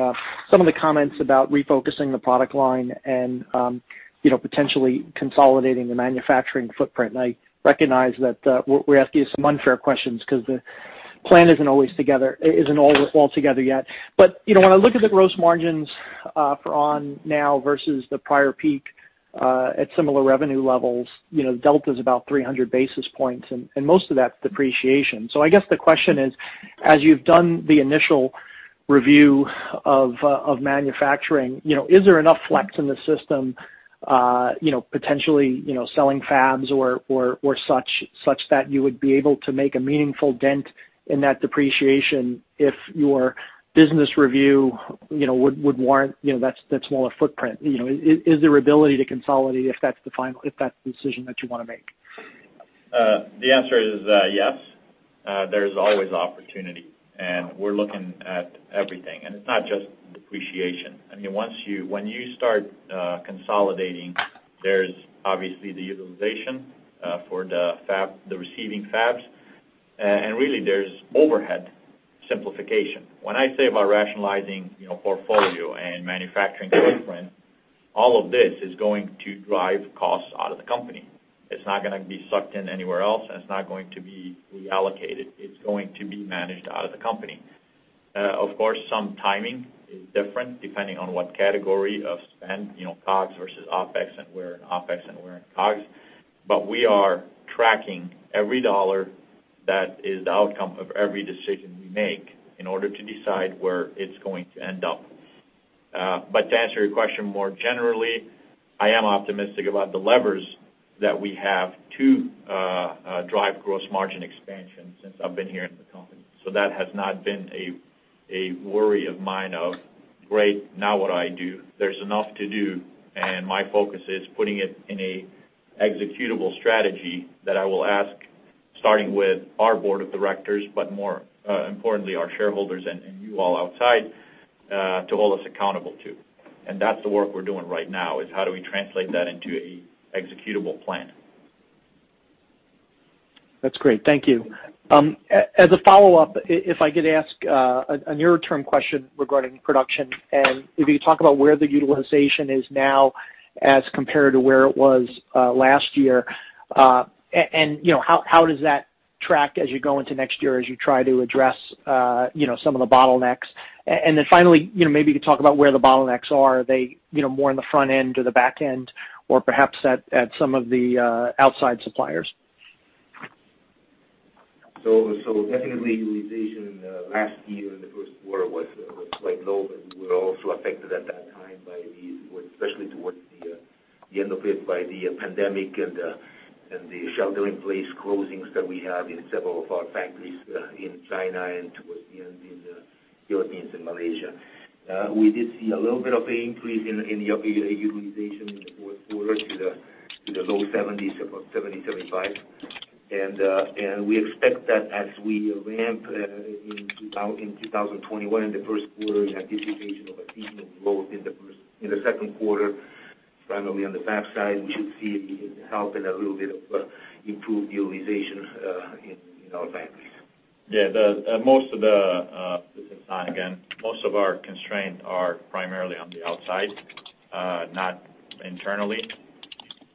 some of the comments about refocusing the product line and potentially consolidating the manufacturing footprint. I recognize that we're asking you some unfair questions because the plan isn't all together yet. When I look at the gross margins for ON now versus the prior peak at similar revenue levels, delta's about 300 basis points, and most of that's depreciation. I guess the question is, as you've done the initial review of manufacturing, is there enough flex in the system, potentially selling fabs or such that you would be able to make a meaningful dent in that depreciation if your business review would warrant that smaller footprint? Is there ability to consolidate if that's the decision that you want to make? The answer is yes. There's always opportunity, and we're looking at everything. It's not just depreciation. When you start consolidating, there's obviously the utilization for the receiving fabs, and really there's overhead simplification. When I say about rationalizing portfolio and manufacturing footprint, all of this is going to drive costs out of the company. It's not going to be sucked in anywhere else, and it's not going to be reallocated. It's going to be managed out of the company. Of course, some timing is different depending on what category of spend, COGS versus OpEx and where in OpEx and where in COGS. We are tracking every dollar that is the outcome of every decision we make in order to decide where it's going to end up. To answer your question more generally, I am optimistic about the levers that we have to drive gross margin expansion since I've been here in the company. That has not been a worry of mine of, great, now what do I do? There's enough to do, and my focus is putting it in a executable strategy that I will ask, starting with our board of directors, but more importantly, our shareholders and you all outside, to hold us accountable to. That's the work we're doing right now, is how do we translate that into a executable plan. That's great. Thank you. As a follow-up, if I could ask a near-term question regarding production, if you could talk about where the utilization is now as compared to where it was last year. How does that track as you go into next year as you try to address some of the bottlenecks. Finally, maybe you could talk about where the bottlenecks are. Are they more on the front end or the back end, or perhaps at some of the outside suppliers? Definitely utilization last year in the first quarter was quite low, but we were also affected at that time, especially towards the end of it, by the pandemic and the shelter-in-place closings that we had in several of our factories in China and towards the end in the Philippines and Malaysia. We did see a little bit of an increase in the utilization in the fourth quarter to the low 70s, about 70%-75%. And we expect that as we ramp in 2021, in the first quarter, we have anticipation of achievement growth in the second quarter. Finally, on the fab side, we should see help and a little bit of improved utilization in our factories. Yeah. This is Hassane again. Most of our constraints are primarily on the outside, not internally.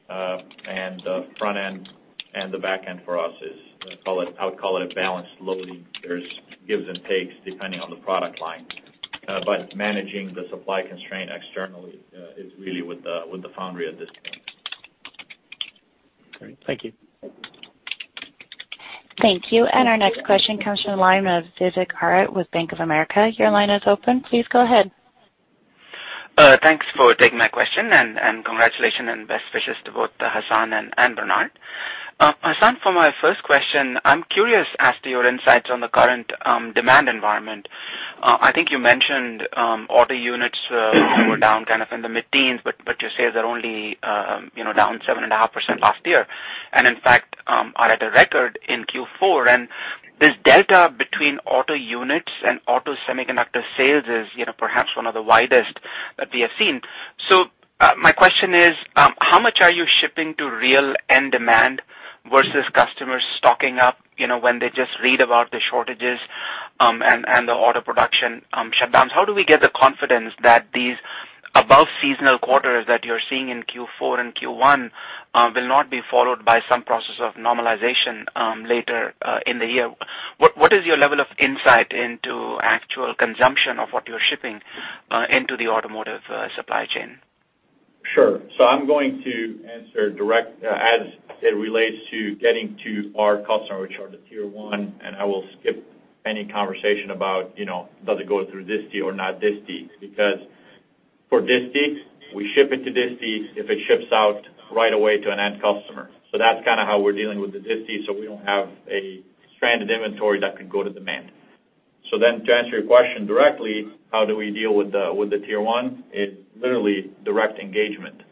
The front end and the back end for us is, I would call it a balanced loading. There's gives and takes depending on the product line. Managing the supply constraint externally is really with the foundry at this point. Great. Thank you. Thank you. Our next question comes from the line of Vivek Arya with Bank of America. Your line is open. Please go ahead. Thanks for taking my question, and congratulations and best wishes to both Hassane and Bernard. Hassane, for my first question, I'm curious as to your insights on the current demand environment. I think you mentioned auto units were down kind of in the mid-teens, but you say they're only down 7.5% last year, and in fact, are at a record in Q4. This delta between auto units and auto semiconductor sales is perhaps one of the widest that we have seen. My question is, how much are you shipping to real end demand versus customers stocking up when they just read about the shortages and the auto production shutdowns? How do we get the confidence that these above-seasonal quarters that you're seeing in Q4 and Q1 will not be followed by some process of normalization later in the year? What is your level of insight into actual consumption of what you're shipping into the automotive supply chain? Sure. I'm going to answer direct as it relates to getting to our customer, which are the Tier 1, and I will skip any conversation about, does it go through disti or not disti? For disti, we ship it to disti if it ships out right away to an end customer. That's kind of how we're dealing with the disti, so we don't have a stranded inventory that could go to demand. To answer your question directly, how do we deal with the Tier 1? It's literally direct engagement.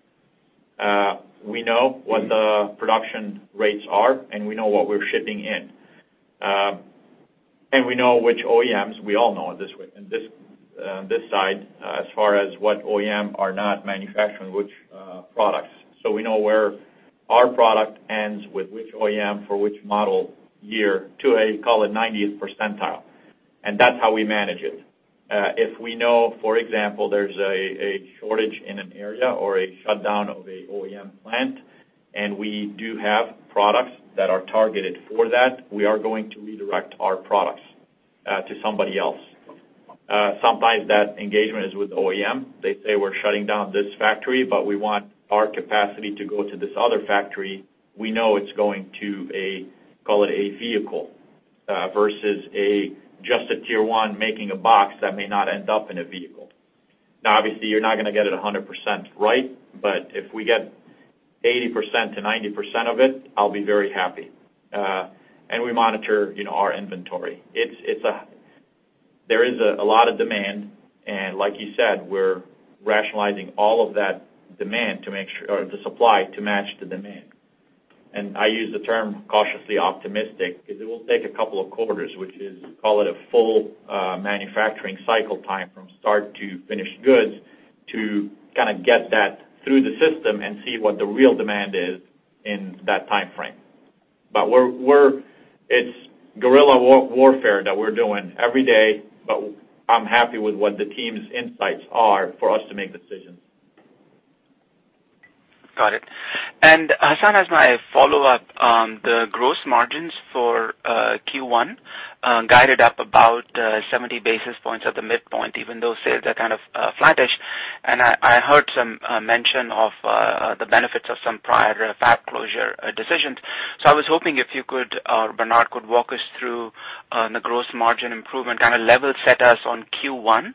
We know what the production rates are, and we know what we're shipping in. We know which OEMs, we all know on this side, as far as what OEM are not manufacturing which products. We know where our product ends with which OEM for which model year to a, call it 90th percentile. That's how we manage it. If we know, for example, there's a shortage in an area or a shutdown of a OEM plant, and we do have products that are targeted for that, we are going to redirect our products to somebody else. Sometimes that engagement is with OEM. They say, "We're shutting down this factory, but we want our capacity to go to this other factory." We know it's going to a, call it a vehicle, versus a just a Tier 1 making a box that may not end up in a vehicle. Now, obviously, you're not going to get it 100% right, but if we get 80%-90% of it, I'll be very happy. We monitor our inventory. There is a lot of demand, and like you said, we're rationalizing all of that supply to match the demand. I use the term cautiously optimistic because it will take a couple of quarters, which is, call it a full manufacturing cycle time from start to finished goods to kind of get that through the system and see what the real demand is in that timeframe. It's guerrilla warfare that we're doing every day, but I'm happy with what the team's insights are for us to make decisions. Got it. Hassane, as my follow-up on the gross margins for Q1, guided up about 70 basis points at the midpoint, even though sales are kind of flattish. I heard some mention of the benefits of some prior fab closure decisions. I was hoping if you could, or Bernard could walk us through the gross margin improvement, kind of level set us on Q1.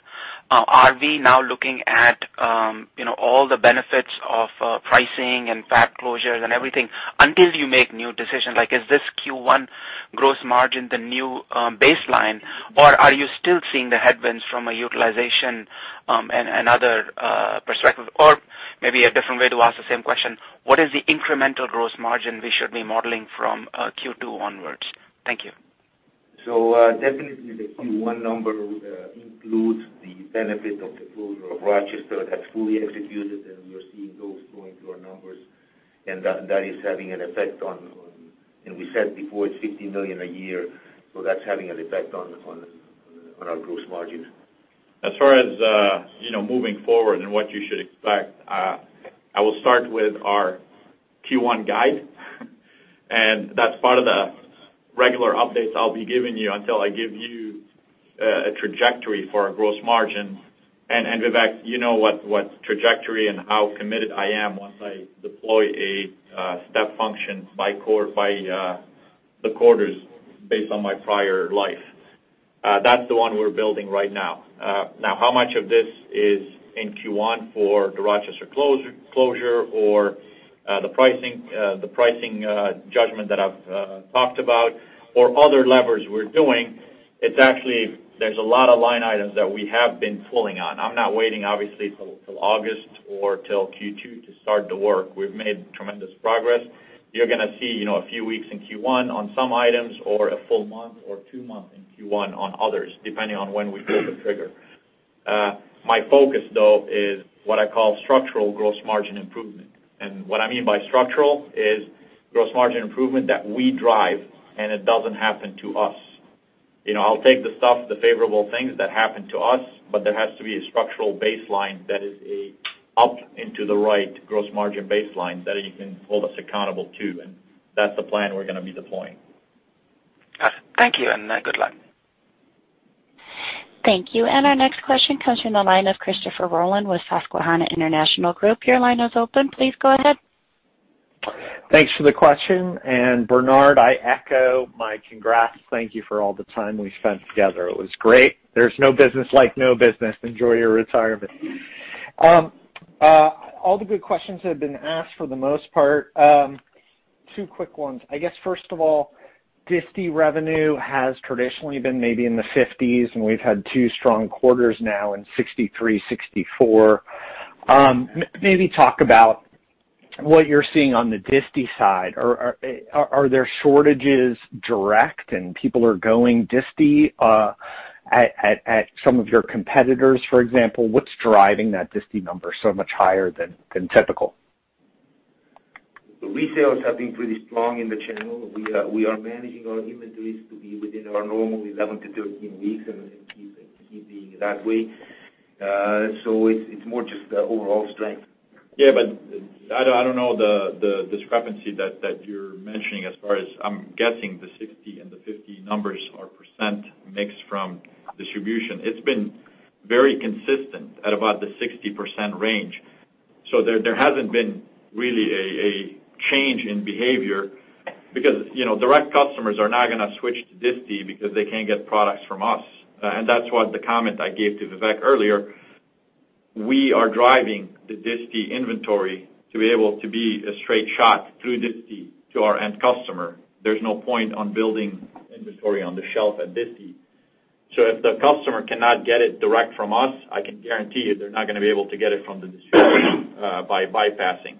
Are we now looking at all the benefits of pricing and fab closures and everything until you make new decisions? Like is this Q1 gross margin the new baseline, or are you still seeing the headwinds from a utilization and other perspectives? Maybe a different way to ask the same question, what is the incremental gross margin we should be modeling from Q2 onwards? Thank you. Definitely the Q1 number includes the benefit of the closure of Rochester that's fully executed, and we are seeing those flowing through our numbers. That is having an effect on, and we said before, it's $60 million a year, so that's having an effect on our gross margin. As far as moving forward and what you should expect, I will start with our Q1 guide. That's part of the regular updates I'll be giving you until I give you a trajectory for our gross margin. Vivek, you know what trajectory and how committed I am once I deploy a step function by the quarters based on my prior life. That's the one we're building right now. How much of this is in Q1 for the Rochester closure or the pricing judgment that I've talked about or other levers we're doing? It's actually, there's a lot of line items that we have been pulling on. I'm not waiting, obviously, till August or till Q2 to start the work. We've made tremendous progress. You're going to see a few weeks in Q1 on some items or a full month or two months in Q1 on others, depending on when we pull the trigger. My focus, though, is what I call structural gross margin improvement. What I mean by structural is gross margin improvement that we drive, and it doesn't happen to us. I'll take the stuff, the favorable things that happen to us, but there has to be a structural baseline that is a up into the right gross margin baseline that you can hold us accountable to, and that's the plan we're going to be deploying. Got it. Thank you, and good luck. Thank you. Our next question comes from the line of Christopher Rolland with Susquehanna International Group. Your line is open. Please go ahead. Thanks for the question. Bernard Gutmann, I echo my congrats. Thank you for all the time we spent together. It was great. There's no business like no business. Enjoy your retirement. All the good questions have been asked for the most part. Two quick ones. I guess, first of all, disti revenue has traditionally been maybe in the 50s, and we've had two strong quarters now in 63, 64. Maybe talk about what you're seeing on the disti side. Are there shortages direct and people are going disti at some of your competitors, for example? What's driving that disti number so much higher than typical? The resales have been pretty strong in the channel. We are managing our inventories to be within our normal 11 weeks-13 weeks and keep being that way. It's more just the overall strength. Yeah, I don't know the discrepancy that you're mentioning as far as I'm guessing the 60 and the 50 numbers or percent mix from distribution. It's been very consistent at about the 60% range. There hasn't been really a change in behavior because direct customers are not going to switch to disti because they can't get products from us. That's what the comment I gave to Vivek earlier, we are driving the disti inventory to be able to be a straight shot through disti to our end customer. There's no point on building inventory on the shelf at disti. If the customer cannot get it direct from us, I can guarantee you they're not going to be able to get it from the distributor by bypassing.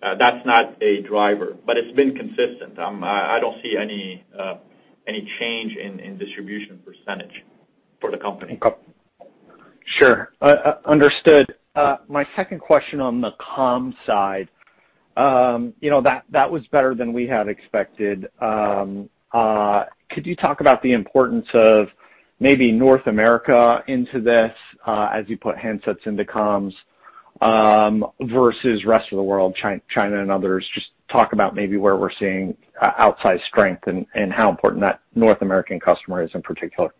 That's not a driver, it's been consistent. I don't see any change in distribution percentage for the company. Sure. Understood. My second question on the comms side. That was better than we had expected. Could you talk about the importance of maybe North America into this, as you put handsets into comms, versus rest of the world, China and others? Just talk about maybe where we're seeing outsized strength and how important that North American customer is in particular.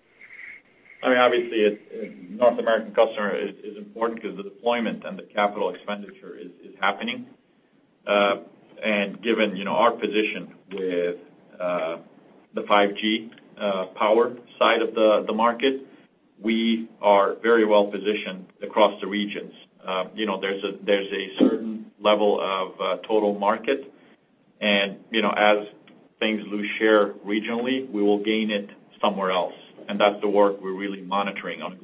I mean, obviously, North American customer is important because the deployment and the capital expenditure is happening. Given our position with the 5G power side of the market, we are very well-positioned across the regions. There's a certain level of total market and as things lose share regionally, we will gain it somewhere else, and that's the work we're really monitoring on a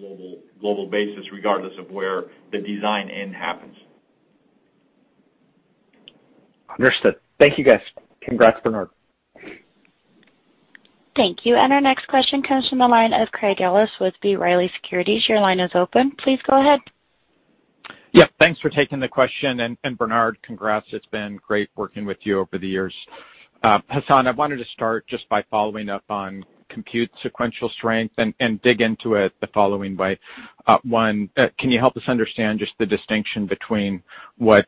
global basis, regardless of where the design end happens. Understood. Thank you, guys. Congrats, Bernard. Thank you. Our next question comes from the line of Craig Ellis with B. Riley Securities. Your line is open. Please go ahead. Yeah, thanks for taking the question, and Bernard, congrats. It's been great working with you over the years. Hassane, I wanted to start just by following up on compute sequential strength and dig into it the following way. One, can you help us understand just the distinction between what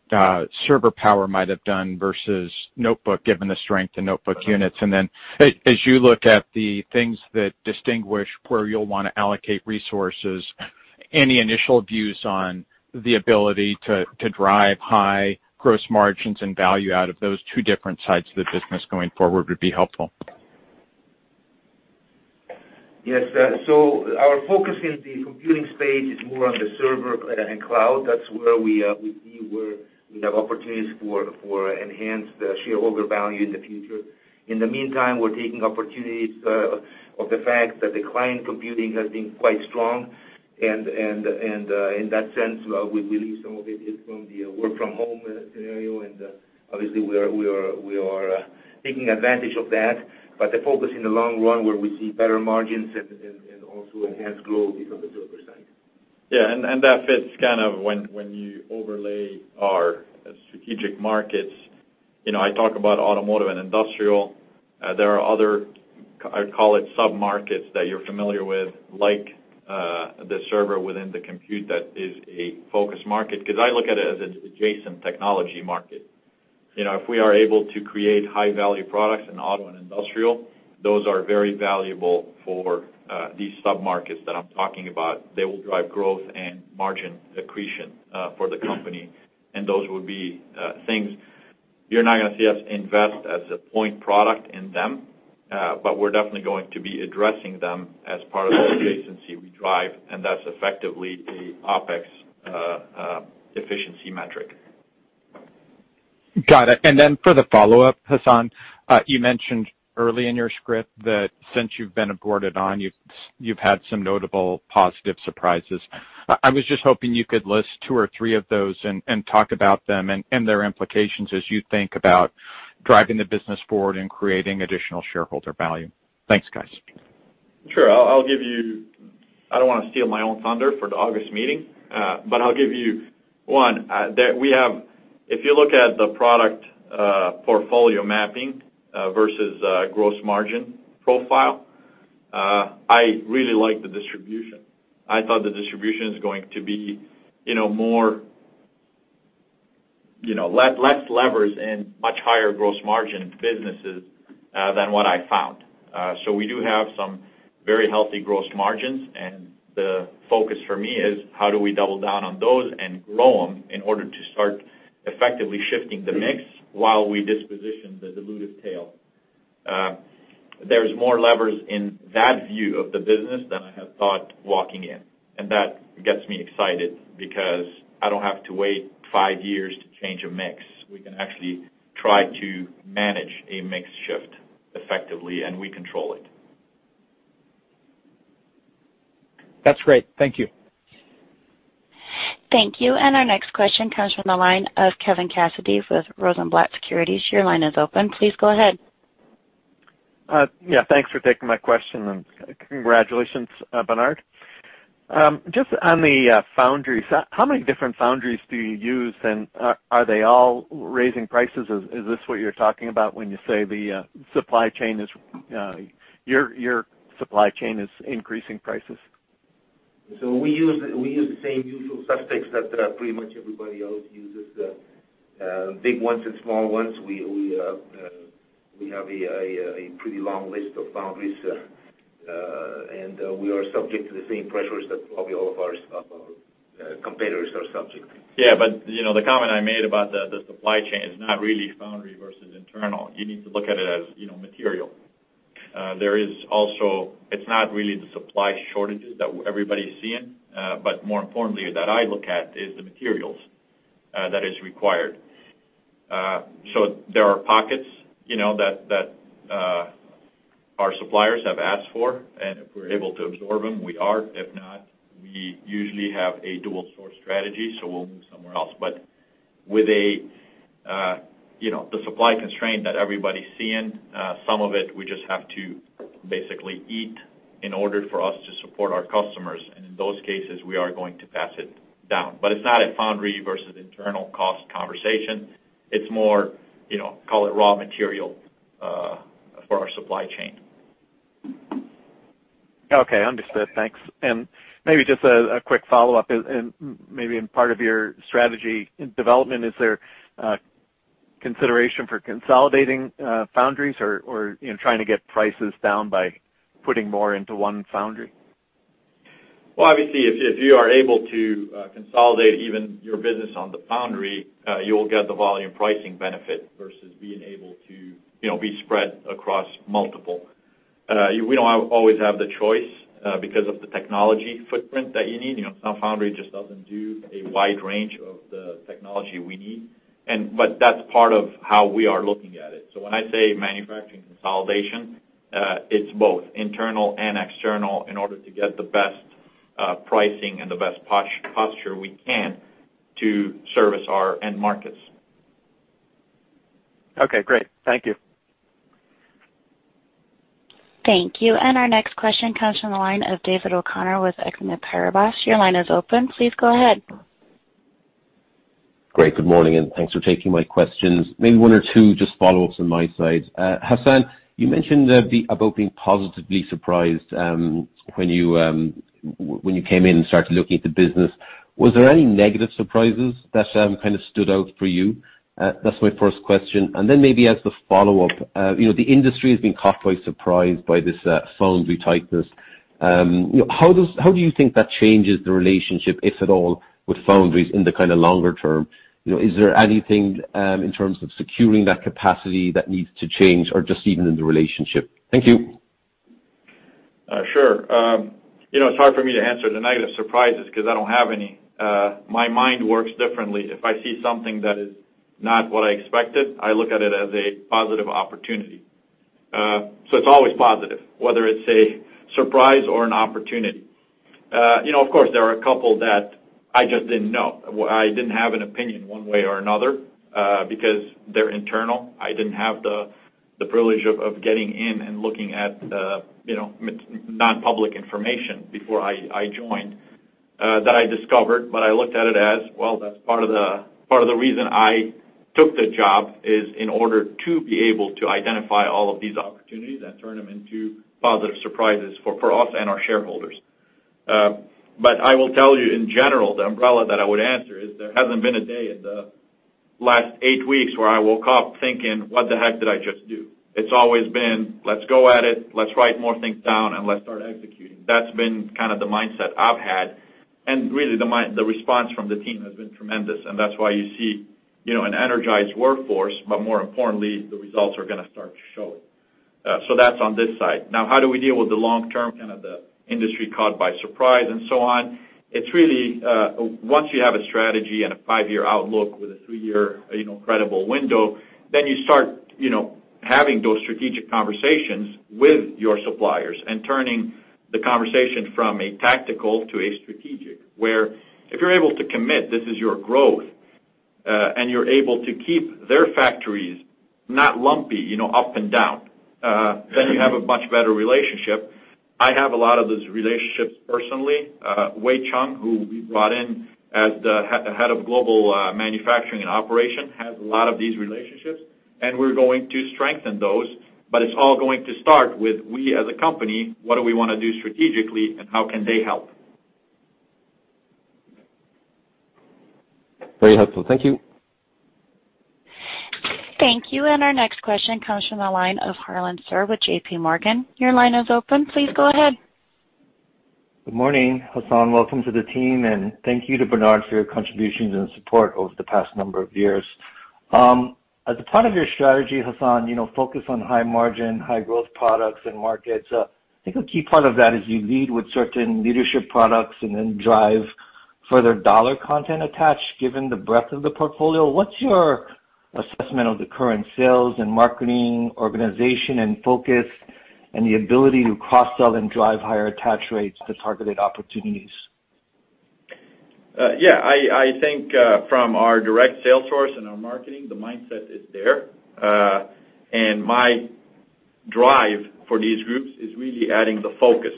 server power might have done versus notebook, given the strength in notebook units? As you look at the things that distinguish where you'll want to allocate resources, any initial views on the ability to drive high gross margins and value out of those two different sides of the business going forward would be helpful. Yes. Our focus in the computing space is more on the server and cloud. That's where we see we have opportunities for enhanced shareholder value in the future. In the meantime, we're taking opportunities of the fact that the client computing has been quite strong and, in that sense, we believe some of it is from the work-from-home scenario. Obviously, we are taking advantage of that. The focus in the long run, where we see better margins and also enhanced growth is on the server side. Yeah. That fits kind of when you overlay our strategic markets. I talk about automotive and industrial. There are other, I'd call it sub-markets that you're familiar with, like the server within the compute that is a focus market. I look at it as an adjacent technology market. If we are able to create high-value products in auto and industrial, those are very valuable for these sub-markets that I'm talking about. They will drive growth and margin accretion for the company, and those would be things you're not going to see us invest as a point product in them, but we're definitely going to be addressing them as part of the adjacency we drive, and that's effectively a OpEx efficiency metric. Got it. For the follow-up, Hassane, you mentioned early in your script that since you've been boarded on, you've had some notable positive surprises. I was just hoping you could list two or three of those and talk about them and their implications as you think about driving the business forward and creating additional shareholder value. Thanks, guys. Sure. I don't want to steal my own thunder for the August meeting, but I'll give you one. If you look at the product portfolio mapping versus gross margin profile, I really like the distribution. I thought the distribution is going to be less levers and much higher gross margin businesses than what I found. We do have some very healthy gross margins, and the focus for me is how do we double down on those and grow them in order to start effectively shifting the mix while we disposition the dilutive tail. There's more levers in that view of the business than I had thought walking in, and that gets me excited because I don't have to wait five years to change a mix. We can actually try to manage a mix shift effectively, and we control it. That's great. Thank you. Thank you. Our next question comes from the line of Kevin Cassidy with Rosenblatt Securities. Your line is open. Please go ahead. Yeah, thanks for taking my question, and congratulations, Bernard. Just on the foundries, how many different foundries do you use, and are they all raising prices? Is this what you're talking about when you say your supply chain is increasing prices? We use the same usual suspects that pretty much everybody else uses. Big ones and small ones, we have a pretty long list of foundries, and we are subject to the same pressures that probably all of our competitors are subject to. The comment I made about the supply chain is not really foundry versus internal. You need to look at it as material. It's not really the supply shortages that everybody's seeing, but more importantly, that I look at, is the materials that is required. There are pockets that our suppliers have asked for, and if we're able to absorb them, we are. If not, we usually have a dual-source strategy, so we'll move somewhere else. With the supply constraint that everybody's seeing, some of it, we just have to basically eat in order for us to support our customers. In those cases, we are going to pass it down. It's not a foundry versus internal cost conversation. It's more, call it raw material for our supply chain. Okay, understood. Thanks. Maybe just a quick follow-up, and maybe in part of your strategy development, is there consideration for consolidating foundries or in trying to get prices down by putting more into one foundry? Well, obviously, if you are able to consolidate even your business on the foundry, you'll get the volume pricing benefit versus being able to be spread across multiple. We don't always have the choice because of the technology footprint that you need. Some foundry just doesn't do a wide range of the technology we need. That's part of how we are looking at it. When I say manufacturing consolidation, it's both internal and external in order to get the best pricing and the best posture we can to service our end markets. Okay, great. Thank you. Thank you. Our next question comes from the line of David O'Connor with Exane Paribas. Your line is open. Please go ahead. Great. Good morning, and thanks for taking my questions. Maybe one or two just follow-ups on my side. Hassane, you mentioned about being positively surprised when you came in and started looking at the business. Was there any negative surprises that kind of stood out for you? That's my first question. Then maybe as the follow-up, the industry has been caught by surprise by this foundry tightness. How do you think that changes the relationship, if at all, with foundries in the kind of longer term? Is there anything in terms of securing that capacity that needs to change or just even in the relationship? Thank you. Sure. It's hard for me to answer the negative surprises because I don't have any. My mind works differently. If I see something that is not what I expected, I look at it as a positive opportunity. It's always positive, whether it's a surprise or an opportunity. Of course, there are a couple that I just didn't know. I didn't have an opinion one way or another, because they're internal. I didn't have the privilege of getting in and looking at non-public information before I joined, that I discovered, but I looked at it as, well, that's part of the reason I took the job is in order to be able to identify all of these opportunities and turn them into positive surprises for us and our shareholders. I will tell you in general, the umbrella that I would answer is there hasn't been a day in the last eight weeks where I woke up thinking, "What the heck did I just do?" It's always been, "Let's go at it, let's write more things down, and let's start executing." That's been kind of the mindset I've had. Really, the response from the team has been tremendous, and that's why you see an energized workforce, but more importantly, the results are going to start to show. That's on this side. Now, how do we deal with the long term, kind of the industry caught by surprise and so on? It's really, once you have a strategy and a five-year outlook with a three-year credible window, you start having those strategic conversations with your suppliers and turning the conversation from a tactical to a strategic. Where if you're able to commit, this is your growth, and you're able to keep their factories not lumpy, up and down, then you have a much better relationship. I have a lot of those relationships personally. Wei-Chung, who we brought in as the head of Global Manufacturing and Operations, has a lot of these relationships, and we're going to strengthen those, but it's all going to start with we as a company, what do we want to do strategically, and how can they help? Very helpful. Thank you. Thank you. Our next question comes from the line of Harlan Sur with JPMorgan. Your line is open. Please go ahead. Good morning, Hassane. Welcome to the team, and thank you to Bernard for your contributions and support over the past number of years. As a part of your strategy, Hassane, focus on high margin, high growth products and markets. I think a key part of that is you lead with certain leadership products and then drive further dollar content attached given the breadth of the portfolio. What's your assessment of the current sales and marketing organization and focus and the ability to cross-sell and drive higher attach rates to targeted opportunities? Yeah, I think from our direct sales force and our marketing, the mindset is there. My drive for these groups is really adding the focus.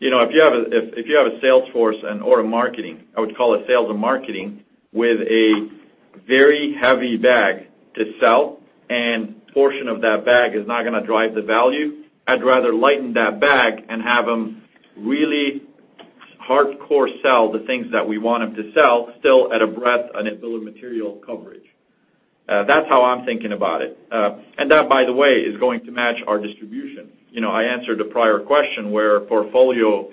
If you have a sales force or a marketing, I would call it sales and marketing, with a very heavy bag to sell and portion of that bag is not going to drive the value, I'd rather lighten that bag and have them really hardcore sell the things that we want them to sell still at a breadth and a bill of material coverage. That's how I'm thinking about it. That, by the way, is going to match our distribution. I answered a prior question where portfolio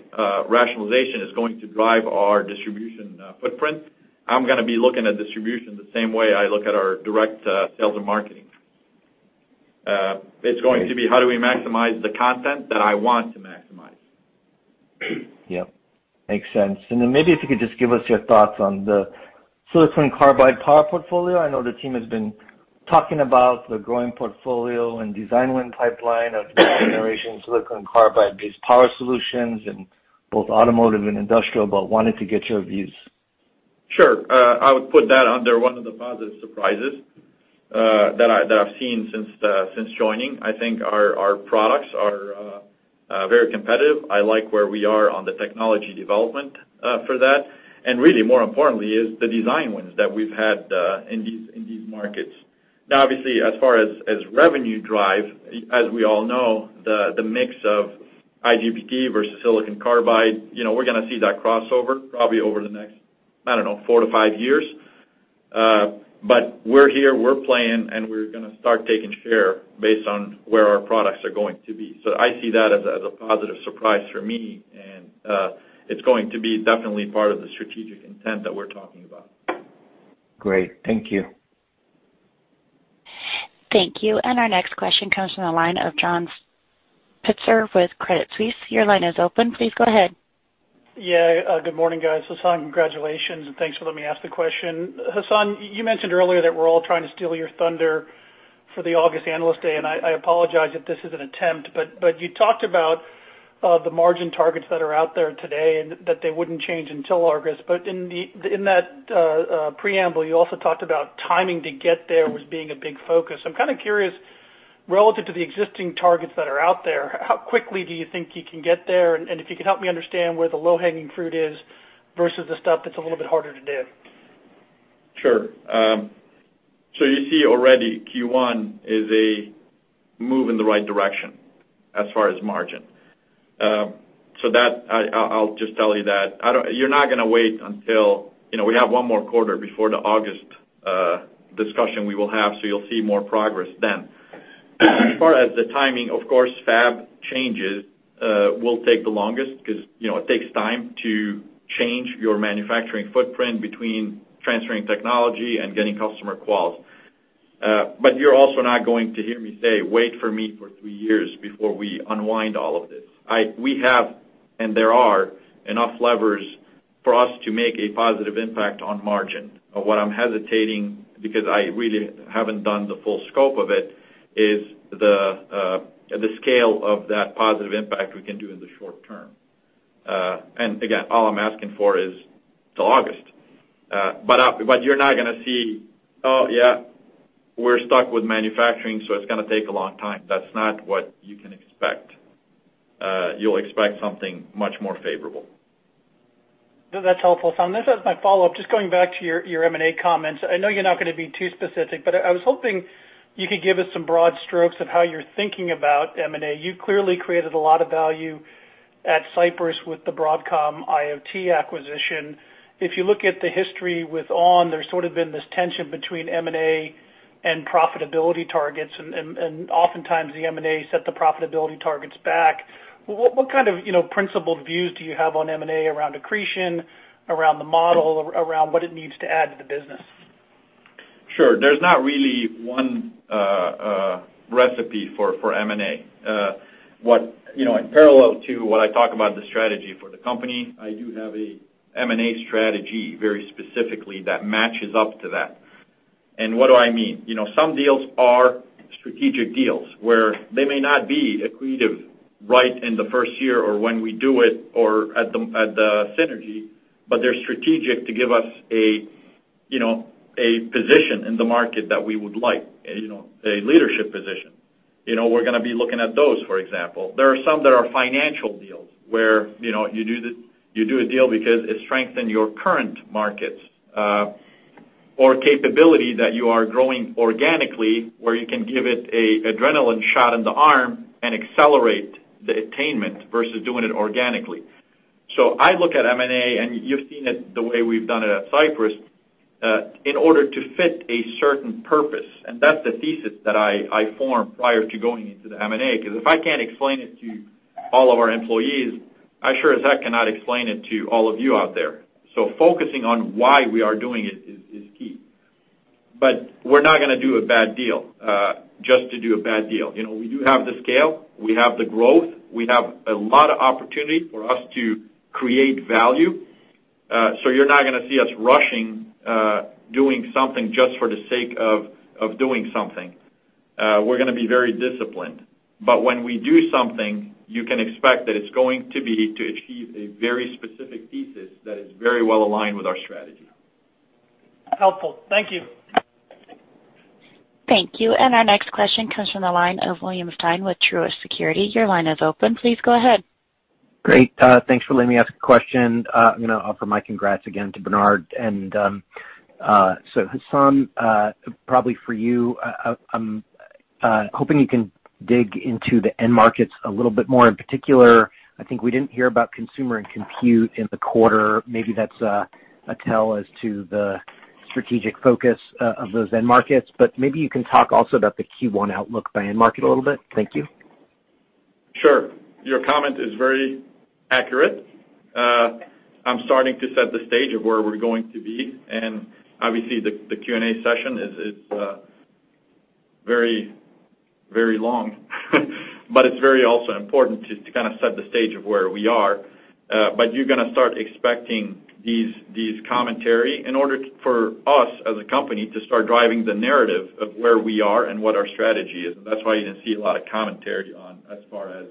rationalization is going to drive our distribution footprint. I'm going to be looking at distribution the same way I look at our direct sales and marketing. It's going to be, how do we maximize the content that I want to maximize? Yep. Makes sense. Then maybe if you could just give us your thoughts on the silicon carbide power portfolio. I know the team has been talking about the growing portfolio and design win pipeline of the next generation silicon carbide-based power solutions in both automotive and industrial, wanted to get your views. Sure. I would put that under one of the positive surprises that I've seen since joining. I think our products are very competitive. I like where we are on the technology development for that. Really more importantly is the design wins that we've had in these markets. Now obviously as far as revenue drive, as we all know, the mix of IGBT versus silicon carbide, we're going to see that crossover probably over the next, I don't know, four to five years. We're here, we're playing, and we're going to start taking share based on where our products are going to be. I see that as a positive surprise for me, and it's going to be definitely part of the strategic intent that we're talking about. Great. Thank you. Thank you. Our next question comes from the line of John Pitzer with Credit Suisse. Your line is open. Please go ahead. Good morning, guys. Hassane, congratulations and thanks for letting me ask the question. Hassane, you mentioned earlier that we're all trying to steal your thunder for the August Analyst Day. I apologize if this is an attempt. You talked about the margin targets that are out there today and that they wouldn't change until August. In that preamble, you also talked about timing to get there was being a big focus. I'm kind of curious, relative to the existing targets that are out there, how quickly do you think you can get there? If you could help me understand where the low-hanging fruit is versus the stuff that's a little bit harder to do. Sure. You see already Q1 is a move in the right direction as far as margin. I'll just tell you that you're not going to wait. We have one more quarter before the August discussion we will have, you'll see more progress then. As far as the timing, of course, fab changes will take the longest because it takes time to change your manufacturing footprint between transferring technology and getting customer quals. You're also not going to hear me say, "Wait for me for three years before we unwind all of this." We have, there are enough levers for us to make a positive impact on margin. What I'm hesitating, because I really haven't done the full scope of it, is the scale of that positive impact we can do in the short term. Again, all I'm asking for is till August. You're not going to see, oh, yeah, we're stuck with manufacturing, so it's going to take a long time. That's not what you can expect. You'll expect something much more favorable. That's helpful, Hassane. This is my follow-up, just going back to your M&A comments. I know you're not going to be too specific, but I was hoping you could give us some broad strokes of how you're thinking about M&A. You clearly created a lot of value at Cypress with the Broadcom IoT acquisition. If you look at the history with ON, there's sort of been this tension between M&A and profitability targets, and oftentimes the M&A set the profitability targets back. What kind of principled views do you have on M&A around accretion, around the model, around what it needs to add to the business? Sure. There's not really one recipe for M&A. In parallel to what I talk about the strategy for the company, I do have a M&A strategy very specifically that matches up to that. What do I mean? Some deals are strategic deals where they may not be accretive right in the first year or when we do it or at the synergy, but they're strategic to give us a position in the market that we would like, a leadership position. We're going to be looking at those, for example. There are some that are financial deals where you do a deal because it strengthen your current markets or capability that you are growing organically, where you can give it a adrenaline shot in the arm and accelerate the attainment versus doing it organically. I look at M&A, and you've seen it the way we've done it at Cypress, in order to fit a certain purpose, and that's the thesis that I form prior to going into the M&A, because if I can't explain it to all of our employees, I sure as heck cannot explain it to all of you out there. Focusing on why we are doing it is key. We're not going to do a bad deal, just to do a bad deal. We do have the scale. We have the growth. We have a lot of opportunity for us to create value. You're not going to see us rushing, doing something just for the sake of doing something. We're going to be very disciplined, but when we do something, you can expect that it's going to be to achieve a very specific thesis that is very well aligned with our strategy. Helpful. Thank you. Thank you. Our next question comes from the line of William Stein with Truist Securities. Your line is open. Please go ahead. Great. Thanks for letting me ask a question. I'm going to offer my congrats again to Bernard. Hassane, probably for you, I'm hoping you can dig into the end markets a little bit more. In particular, I think we didn't hear about consumer and compute in the quarter. Maybe that's a tell as to the strategic focus of those end markets, but maybe you can talk also about the Q1 outlook by end market a little bit. Thank you. Sure. Your comment is very accurate. I'm starting to set the stage of where we're going to be, and obviously the Q&A session is very long, but it's very also important to kind of set the stage of where we are. You're going to start expecting these commentary in order for us as a company to start driving the narrative of where we are and what our strategy is. That's why you didn't see a lot of commentary on as far as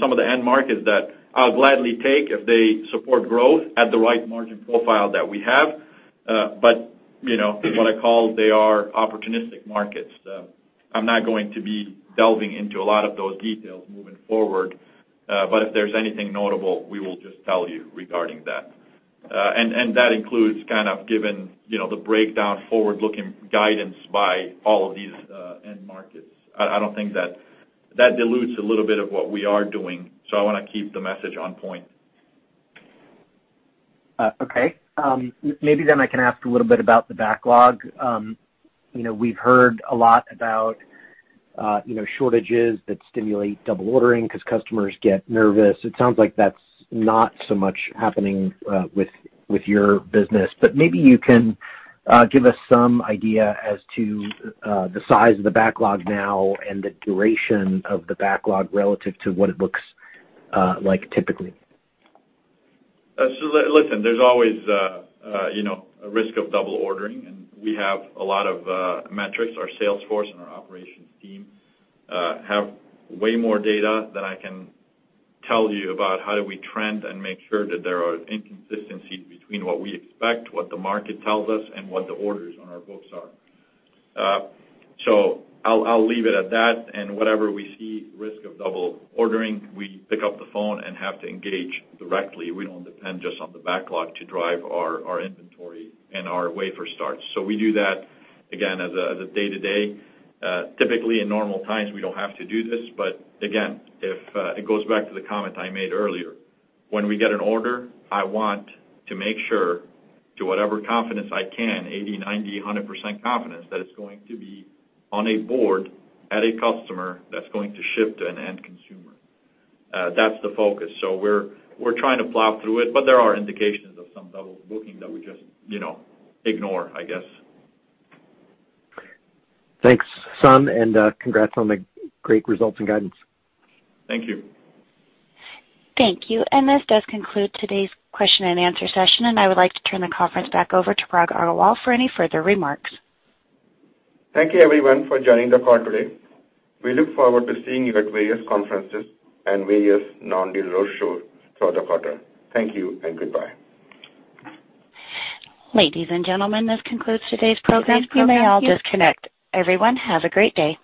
some of the end markets that I'll gladly take if they support growth at the right margin profile that we have. What I call they are opportunistic markets. I'm not going to be delving into a lot of those details moving forward. If there's anything notable, we will just tell you regarding that. That includes kind of given the breakdown forward-looking guidance by all of these end markets. I don't think that dilutes a little bit of what we are doing. I want to keep the message on point. Okay. Maybe I can ask a little bit about the backlog. We've heard a lot about shortages that stimulate double ordering because customers get nervous. It sounds like that's not so much happening with your business, maybe you can give us some idea as to the size of the backlog now and the duration of the backlog relative to what it looks like typically. Listen, there's always a risk of double ordering, and we have a lot of metrics. Our sales force and our operations team have way more data than I can tell you about how do we trend and make sure that there are inconsistencies between what we expect, what the market tells us, and what the orders on our books are. I'll leave it at that, and whenever we see risk of double ordering, we pick up the phone and have to engage directly. We don't depend just on the backlog to drive our inventory and our wafer starts. We do that, again, as a day-to-day. Typically, in normal times, we don't have to do this, but again, it goes back to the comment I made earlier. When we get an order, I want to make sure to whatever confidence I can, 80%, 90%, 100% confidence that it's going to be on a board at a customer that's going to ship to an end consumer. That's the focus. We're trying to plow through it, but there are indications of some double booking that we just ignore, I guess. Thanks, Hassane, and congrats on the great results and guidance. Thank you. Thank you. This does conclude today's question and answer session, and I would like to turn the conference back over to Parag Agarwal for any further remarks. Thank you everyone for joining the call today. We look forward to seeing you at various conferences and various non-deal road shows for the quarter. Thank you and goodbye. Ladies and gentlemen, this concludes today's program. You may all disconnect. Everyone, have a great day.